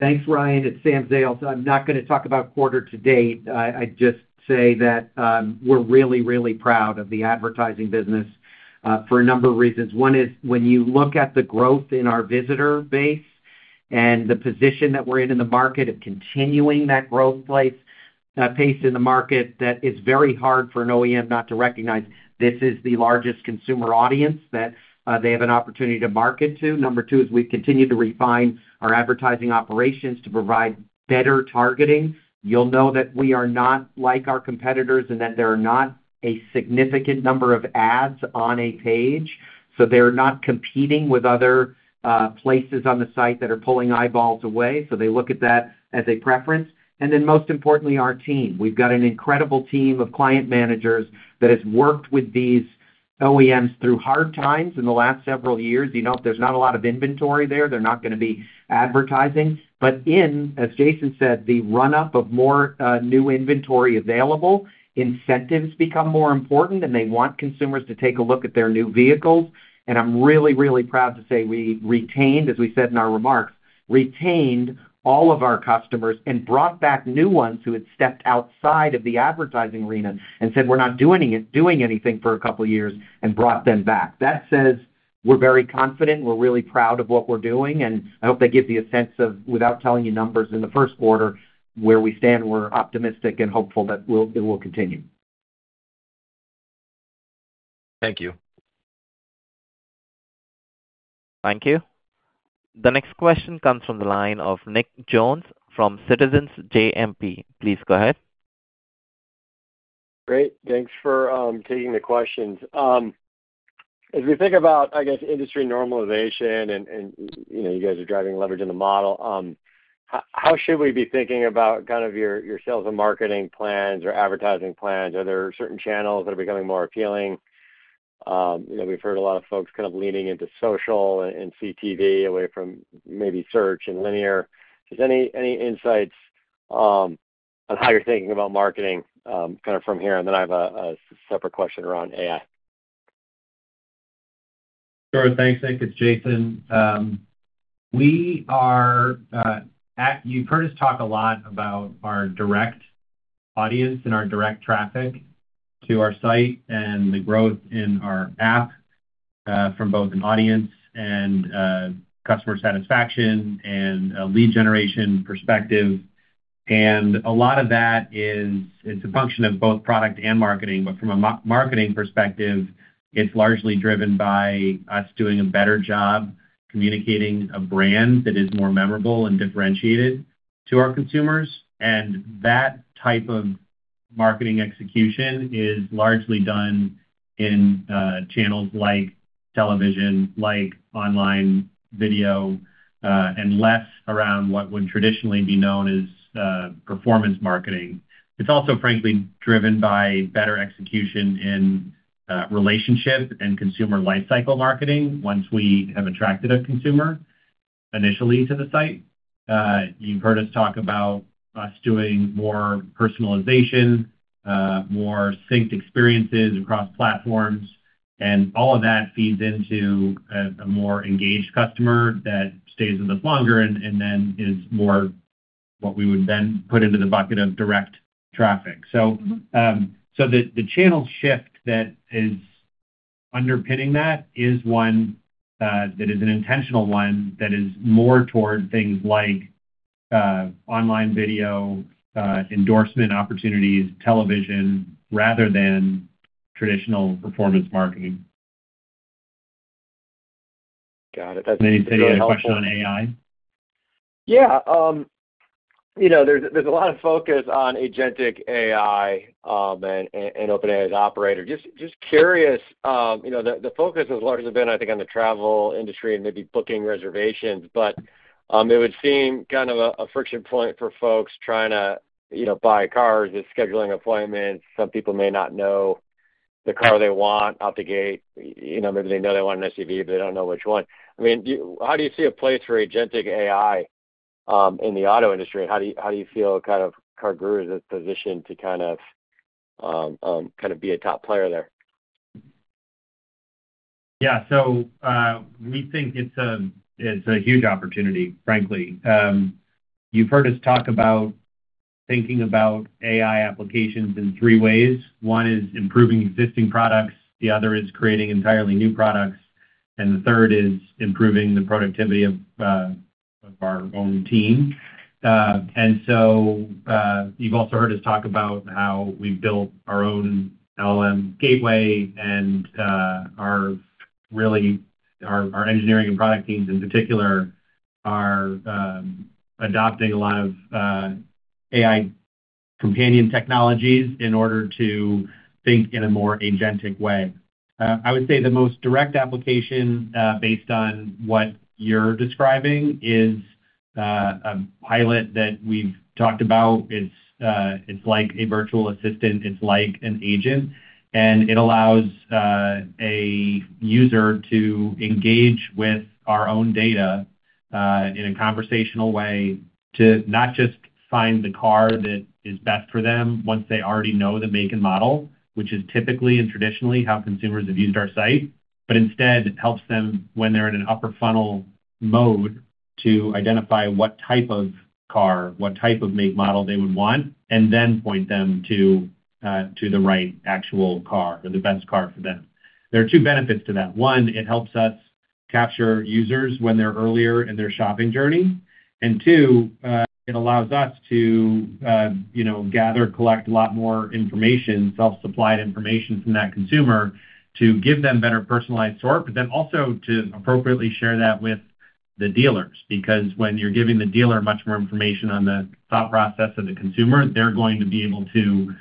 Thanks, Ryan. It's Sam Zales. I'm not going to talk about quarter to date. I just say that we're really, really proud of the advertising business for a number of reasons. One is when you look at the growth in our visitor base and the position that we're in in the market of continuing that growth pace in the market, that is very hard for an OEM not to recognize this is the largest consumer audience that they have an opportunity to market to. Number two is we've continued to refine our advertising operations to provide better targeting. You'll know that we are not like our competitors in that there are not a significant number of ads on a page. So they're not competing with other places on the site that are pulling eyeballs away. So they look at that as a preference. And then most importantly, our team. We've got an incredible team of client managers that has worked with these OEMs through hard times in the last several years. There's not a lot of inventory there. They're not going to be advertising. But in, as Jason said, the run-up of more new inventory available, incentives become more important, and they want consumers to take a look at their new vehicles. And I'm really, really proud to say we retained, as we said in our remarks, retained all of our customers and brought back new ones who had stepped outside of the advertising arena and said, "We're not doing anything for a couple of years," and brought them back. That says we're very confident. We're really proud of what we're doing. And I hope that gives you a sense of, without telling you numbers in the first quarter, where we stand. We're optimistic and hopeful that it will continue. Thank you. Thank you. The next question comes from the line of Nick Jones from Citizens JMP. Please go ahead. Great. Thanks for taking the questions. As we think about, I guess, industry normalization and you guys are driving leverage in the model, how should we be thinking about kind of your sales and marketing plans or advertising plans? Are there certain channels that are becoming more appealing? We've heard a lot of folks kind of leaning into social and CTV away from maybe search and linear. Just any insights on how you're thinking about marketing kind of from here? And then I have a separate question around AI. Sure. Thanks. Thanks. It's Jason. You've heard us talk a lot about our direct audience and our direct traffic to our site and the growth in our app from both an audience and customer satisfaction and lead generation perspective. And a lot of that is a function of both product and marketing. But from a marketing perspective, it's largely driven by us doing a better job communicating a brand that is more memorable and differentiated to our consumers. And that type of marketing execution is largely done in channels like television, like online video, and less around what would traditionally be known as performance marketing. It's also, frankly, driven by better execution in relationship and consumer lifecycle marketing once we have attracted a consumer initially to the site. You've heard us talk about us doing more personalization, more synced experiences across platforms. And all of that feeds into a more engaged customer that stays with us longer and then is more what we would then put into the bucket of direct traffic. So the channel shift that is underpinning that is one that is an intentional one that is more toward things like online video, endorsement opportunities, television, rather than traditional performance marketing. Got it. That's a good question on AI. Yeah. There's a lot of focus on agentic AI and open-ended operator. Just curious, the focus has largely been, I think, on the travel industry and maybe booking reservations. But it would seem kind of a friction point for folks trying to buy cars and scheduling appointments. Some people may not know the car they want out the gate. Maybe they know they want an SUV, but they don't know which one. I mean, how do you see a place for agentic AI in the auto industry? And how do you feel kind of CarGurus is positioned to kind of be a top player there? Yeah. So we think it's a huge opportunity, frankly. You've heard us talk about thinking about AI applications in three ways. One is improving existing products. The other is creating entirely new products. And the third is improving the productivity of our own team. And so you've also heard us talk about how we've built our own OEM gateway. And really, our engineering and product teams in particular are adopting a lot of AI companion technologies in order to think in a more agentic way. I would say the most direct application based on what you're describing is a pilot that we've talked about. It's like a virtual assistant. It's like an agent. It allows a user to engage with our own data in a conversational way to not just find the car that is best for them once they already know the make and model, which is typically and traditionally how consumers have used our site, but instead helps them when they're in an upper funnel mode to identify what type of car, what type of make model they would want, and then point them to the right actual car or the best car for them. There are two benefits to that. One, it helps us capture users when they're earlier in their shopping journey. Two, it allows us to gather, collect a lot more information, self-supplied information from that consumer to give them better personalized sort, but then also to appropriately share that with the dealers. Because when you're giving the dealer much more information on the thought process of the consumer, they're going to be able to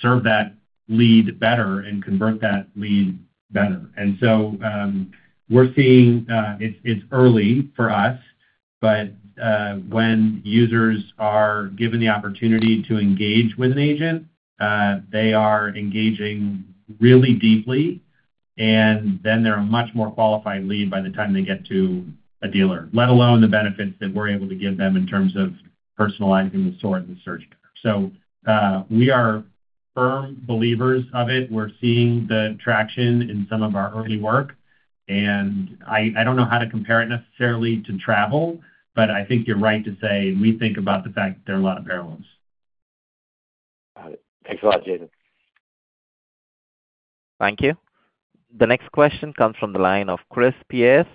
serve that lead better and convert that lead better. And so we're seeing it's early for us, but when users are given the opportunity to engage with an agent, they are engaging really deeply, and then they're a much more qualified lead by the time they get to a dealer, let alone the benefits that we're able to give them in terms of personalizing the sort and the search. So we are firm believers of it. We're seeing the traction in some of our early work. And I don't know how to compare it necessarily to travel, but I think you're right to say we think about the fact that there are a lot of barrels. Got it. Thanks a lot, Jason. Thank you. The next question comes from the line of Chris Pierce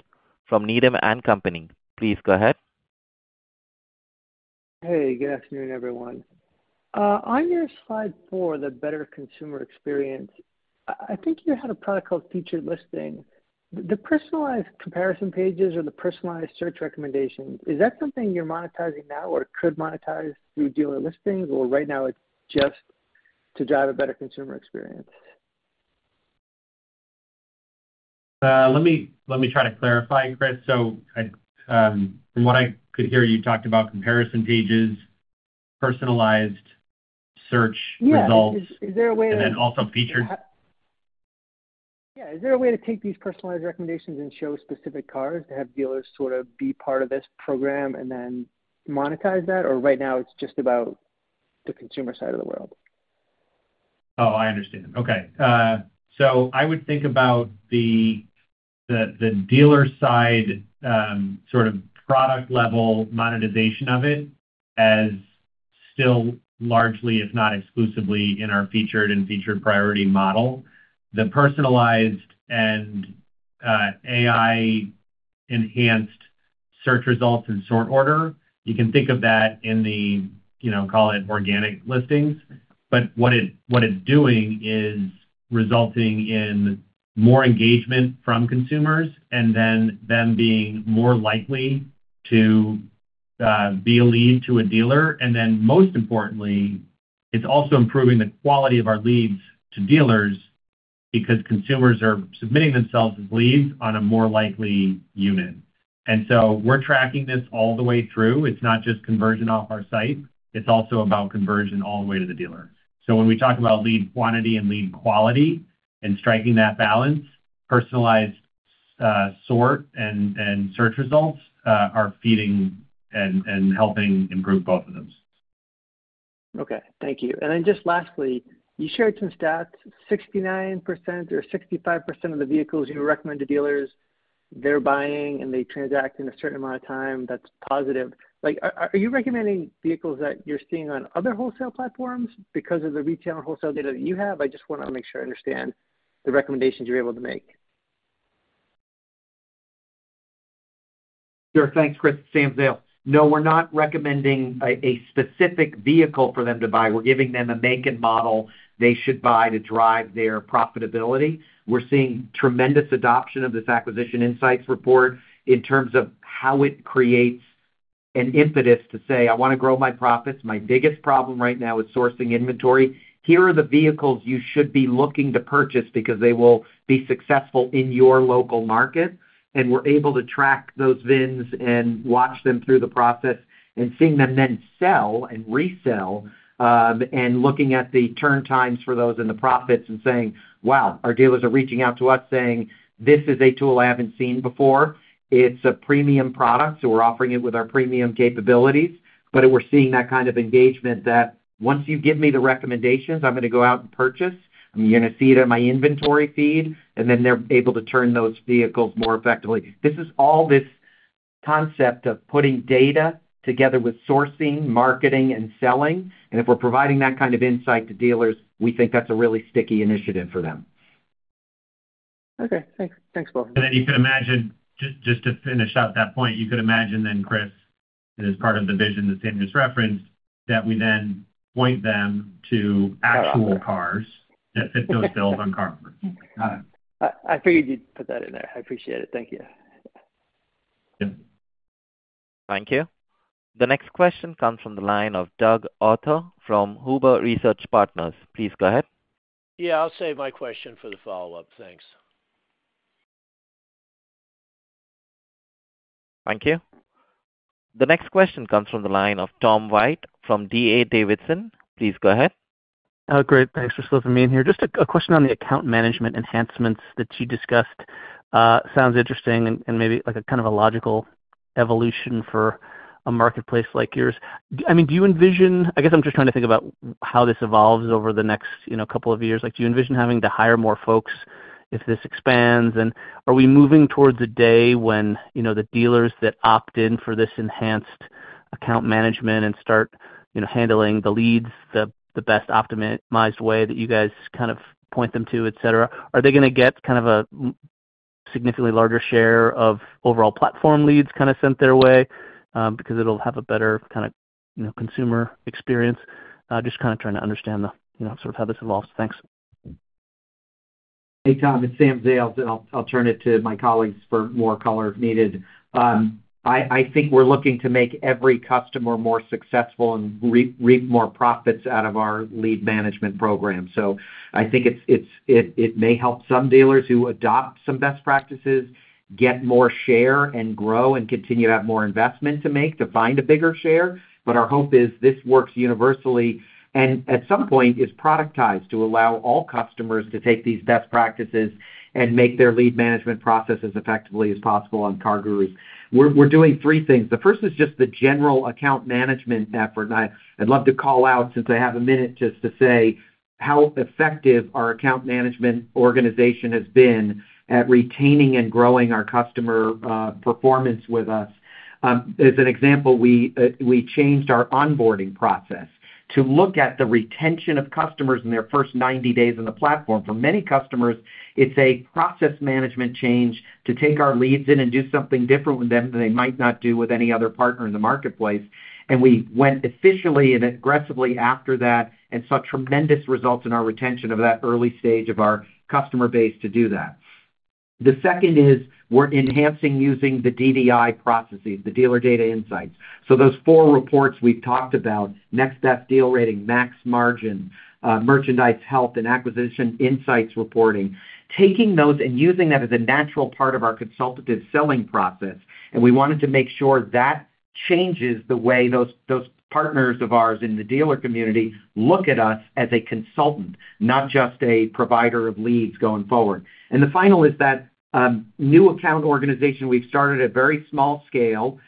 from Needham & Company. Please go ahead. Hey, good afternoon, everyone. On your slide for the better consumer experience, I think you had a product called Featured Listing. The personalized comparison pages or the personalized search recommendations, is that something you're monetizing now or could monetize through dealer listings? Or right now, it's just to drive a better consumer experience? Let me try to clarify, Chris. So from what I could hear, you talked about comparison pages, personalized search results. Yeah. Is there a way to, and then also featured? Yeah. Is there a way to take these personalized recommendations and show specific cars to have dealers sort of be part of this program and then monetize that? Or right now, it's just about the consumer side of the world? Oh, I understand. Okay. So I would think about the dealer side sort of product-level monetization of it as still largely, if not exclusively, in our Featured and Featured Priority model. The personalized and AI-enhanced search results and sort order, you can think of that in the, call it, organic listings. But what it's doing is resulting in more engagement from consumers and then them being more likely to be a lead to a dealer. And then most importantly, it's also improving the quality of our leads to dealers because consumers are submitting themselves as leads on a more likely unit. And so we're tracking this all the way through. It's not just conversion off our site. It's also about conversion all the way to the dealer. So when we talk about lead quantity and lead quality and striking that balance, personalized sort and search results are feeding and helping improve both of those. Okay. Thank you. And then just lastly, you shared some stats. 69% or 65% of the vehicles you recommend to dealers, they're buying and they transact in a certain amount of time. That's positive. Are you recommending vehicles that you're seeing on other wholesale platforms? Because of the retail and wholesale data that you have, I just want to make sure I understand the recommendations you're able to make. Sure. Thanks, Chris. Sam Zales. No, we're not recommending a specific vehicle for them to buy. We're giving them a make and model they should buy to drive their profitability. We're seeing tremendous adoption of this Acquisition Insights Report in terms of how it creates an impetus to say, "I want to grow my profits. My biggest problem right now is sourcing inventory. Here are the vehicles you should be looking to purchase because they will be successful in your local market," and we're able to track those VINs and watch them through the process and seeing them then sell and resell and looking at the turn times for those in the profits and saying, "Wow, our dealers are reaching out to us saying, 'This is a tool I haven't seen before. It's a premium product,'" so we're offering it with our premium capabilities, but we're seeing that kind of engagement that once you give me the recommendations, I'm going to go out and purchase. I'm going to see it in my inventory feed, and then they're able to turn those vehicles more effectively. This is all this concept of putting data together with sourcing, marketing, and selling. And if we're providing that kind of insight to dealers, we think that's a really sticky initiative for them. Okay. Thanks, both. And then you could imagine just to finish out that point, you could imagine then, Chris, and as part of the vision that Sam has referenced, that we then point them to actual cars that fit those sales on CarGurus. Got it. I figured you'd put that in there. I appreciate it. Thank you. Thank you. The next question comes from the line of Doug Arthur from Huber Research Partners. Please go ahead. Yeah. I'll save my question for the follow-up. Thanks. Thank you. The next question comes from the line of Tom White from D.A. Davidson. Please go ahead. Great. Thanks for still fitting me in here. Just a question on the account management enhancements that you discussed. Sounds interesting and maybe kind of a logical evolution for a marketplace like yours. I mean, do you envision—I guess I'm just trying to think about how this evolves over the next couple of years. Do you envision having to hire more folks if this expands? And are we moving towards a day when the dealers that opt in for this enhanced account management and start handling the leads the best optimized way that you guys kind of point them to, etc.? Are they going to get kind of a significantly larger share of overall platform leads kind of sent their way because it'll have a better kind of consumer experience? Just kind of trying to understand sort of how this evolves. Thanks. Hey, Tom, it's Sam Zales. And I'll turn it to my colleagues for more color if needed. I think we're looking to make every customer more successful and reap more profits out of our lead management program. So I think it may help some dealers who adopt some best practices, get more share and grow and continue to have more investment to make to find a bigger share. But our hope is this works universally and at some point is productized to allow all customers to take these best practices and make their lead management process as effectively as possible on CarGurus. We're doing three things. The first is just the general account management effort. And I'd love to call out, since I have a minute, just to say how effective our account management organization has been at retaining and growing our customer performance with us. As an example, we changed our onboarding process to look at the retention of customers in their first 90 days on the platform. For many customers, it's a process management change to take our leads in and do something different with them that they might not do with any other partner in the marketplace, and we went efficiently and aggressively after that and saw tremendous results in our retention of that early stage of our customer base to do that. The second is we're enhancing using the DDI processes, the Dealer Data Insights, so those four reports we've talked about: Next Best Deal Rating, Max Margin, Merchandise Health, and Acquisition Insights Report, taking those and using that as a natural part of our consultative selling process. We wanted to make sure that changes the way those partners of ours in the dealer community look at us as a consultant, not just a provider of leads going forward. The final is that new account organization we've started at very small scale,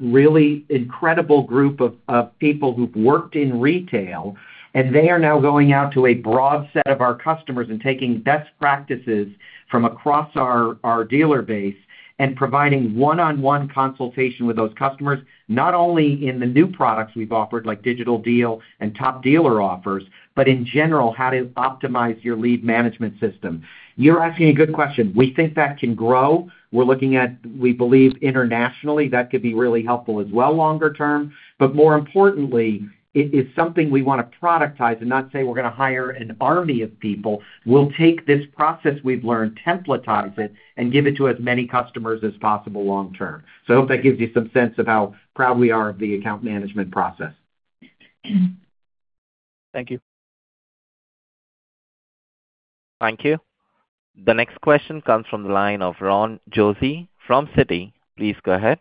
really incredible group of people who've worked in retail. They are now going out to a broad set of our customers and taking best practices from across our dealer base and providing one-on-one consultation with those customers, not only in the new products we've offered like Digital Deal and Top Dealer Offers, but in general, how to optimize your lead management system. You're asking a good question. We think that can grow. We're looking at, we believe, internationally, that could be really helpful as well longer term. But more importantly, it is something we want to productize and not say we're going to hire an army of people. We'll take this process we've learned, templatize it, and give it to as many customers as possible long term. So I hope that gives you some sense of how proud we are of the account management process. Thank you. Thank you. The next question comes from the line of Ron Josey from Citi. Please go ahead.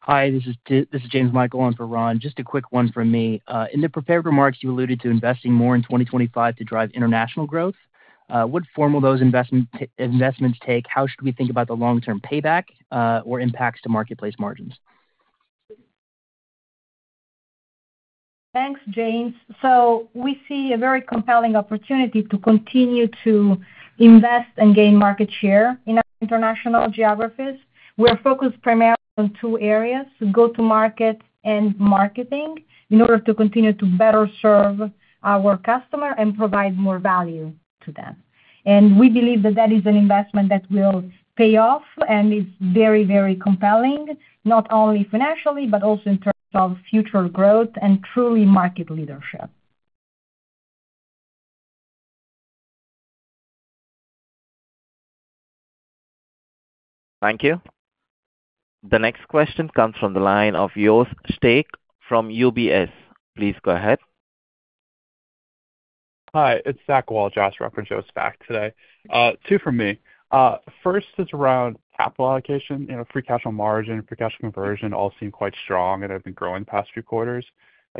Hi. This is James Michael on for Ron. Just a quick one from me. In the prepared remarks, you alluded to investing more in 2025 to drive international growth. What form will those investments take? How should we think about the long-term payback or impacts to marketplace margins? Thanks, James. So we see a very compelling opportunity to continue to invest and gain market share in international geographies. We are focused primarily on two areas: go-to-market and marketing in order to continue to better serve our customer and provide more value to them. And we believe that that is an investment that will pay off, and it's very, very compelling, not only financially, but also in terms of future growth and truly market leadership. Thank you. The next question comes from the line of Joseph Spak from UBS. Please go ahead. Hi. It's Zachary Walljasper representing Joseph Spak today. Two from me. First is around capital allocation. Free cash on margin, free cash conversion all seem quite strong, and they've been growing the past few quarters.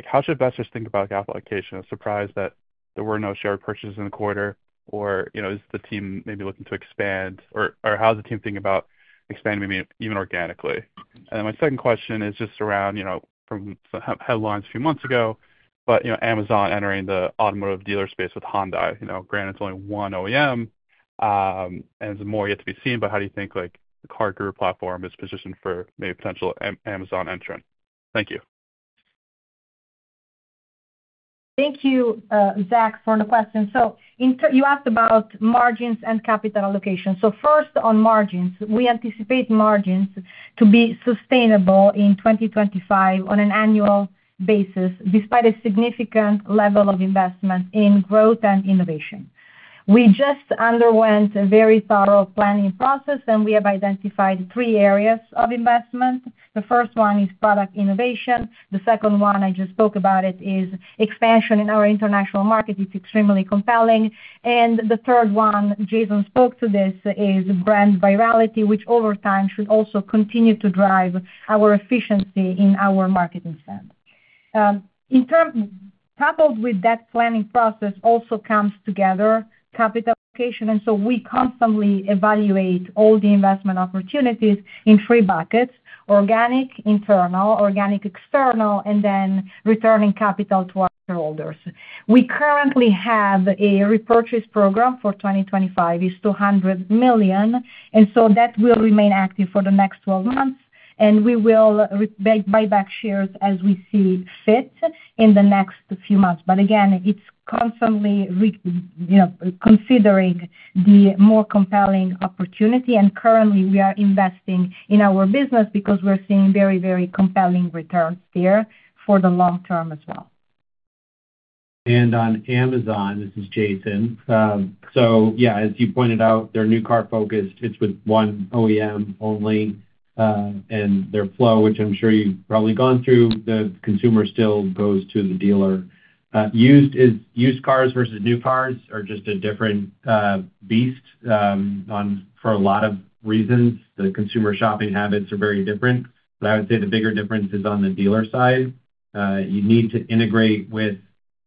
How should investors think about capital allocation? A surprise that there were no share purchases in the quarter, or is the team maybe looking to expand, or how is the team thinking about expanding even organically? And then my second question is just around from headlines a few months ago, but Amazon entering the automotive dealer space with Hyundai. Granted, it's only one OEM, and there's more yet to be seen, but how do you think the CarGurus platform is positioned for maybe potential Amazon entrant? Thank you. Thank you, Zach, for the question. So you asked about margins and capital allocation. So first, on margins, we anticipate margins to be sustainable in 2025 on an annual basis despite a significant level of investment in growth and innovation. We just underwent a very thorough planning process, and we have identified three areas of investment. The first one is product innovation. The second one, I just spoke about, is expansion in our international market. It's extremely compelling. And the third one, Jason spoke to this, is brand virality, which over time should also continue to drive our efficiency in our marketing spend. Coupled with that planning process also comes together capital allocation. And so we constantly evaluate all the investment opportunities in three buckets: organic, internal, organic external, and then returning capital to our shareholders. We currently have a repurchase program for 2025. It's $200 million. And so that will remain active for the next 12 months. And we will buy back shares as we see fit in the next few months. But again, it's constantly considering the more compelling opportunity. And currently, we are investing in our business because we're seeing very, very compelling returns there for the long term as well. And on Amazon, this is Jason. So yeah, as you pointed out, they're new car focused. It's with one OEM only. And their flow, which I'm sure you've probably gone through, the consumer still goes to the dealer. Used cars versus new cars are just a different beast for a lot of reasons. The consumer shopping habits are very different. But I would say the bigger difference is on the dealer side. You need to integrate with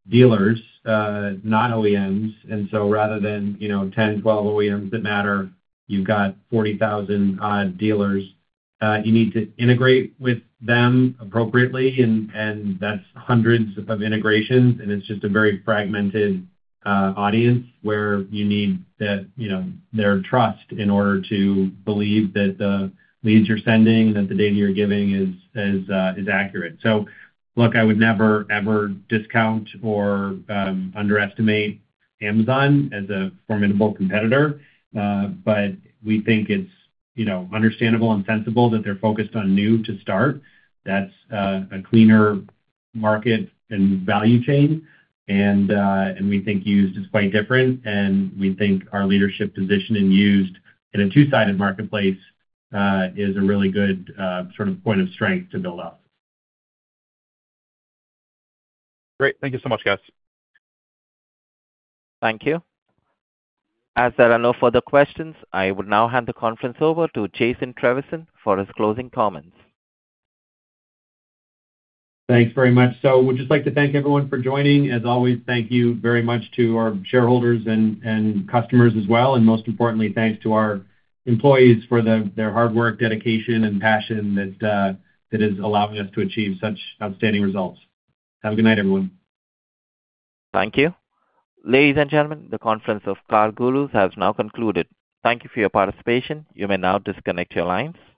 dealers, not OEMs. And so rather than 10-12 OEMs that matter, you've got 40,000-odd dealers. You need to integrate with them appropriately. And that's hundreds of integrations. And it's just a very fragmented audience where you need their trust in order to believe that the leads you're sending and that the data you're giving is accurate. So look, I would never, ever discount or underestimate Amazon as a formidable competitor. But we think it's understandable and sensible that they're focused on new to start. That's a cleaner market and value chain. And we think used is quite different. And we think our leadership position in used in a two-sided marketplace is a really good sort of point of strength to build off. Great. Thank you so much, guys. Thank you. And now for the questions, I will hand the conference over to Jason Trevisan for his closing comments. Thanks very much. So we'd just like to thank everyone for joining. As always, thank you very much to our shareholders and customers as well. And most importantly, thanks to our employees for their hard work, dedication, and passion that is allowing us to achieve such outstanding results. Have a good night, everyone. Thank you. Ladies and gentlemen, the CarGurus conference has now concluded. Thank you for your participation. You may now disconnect your lines.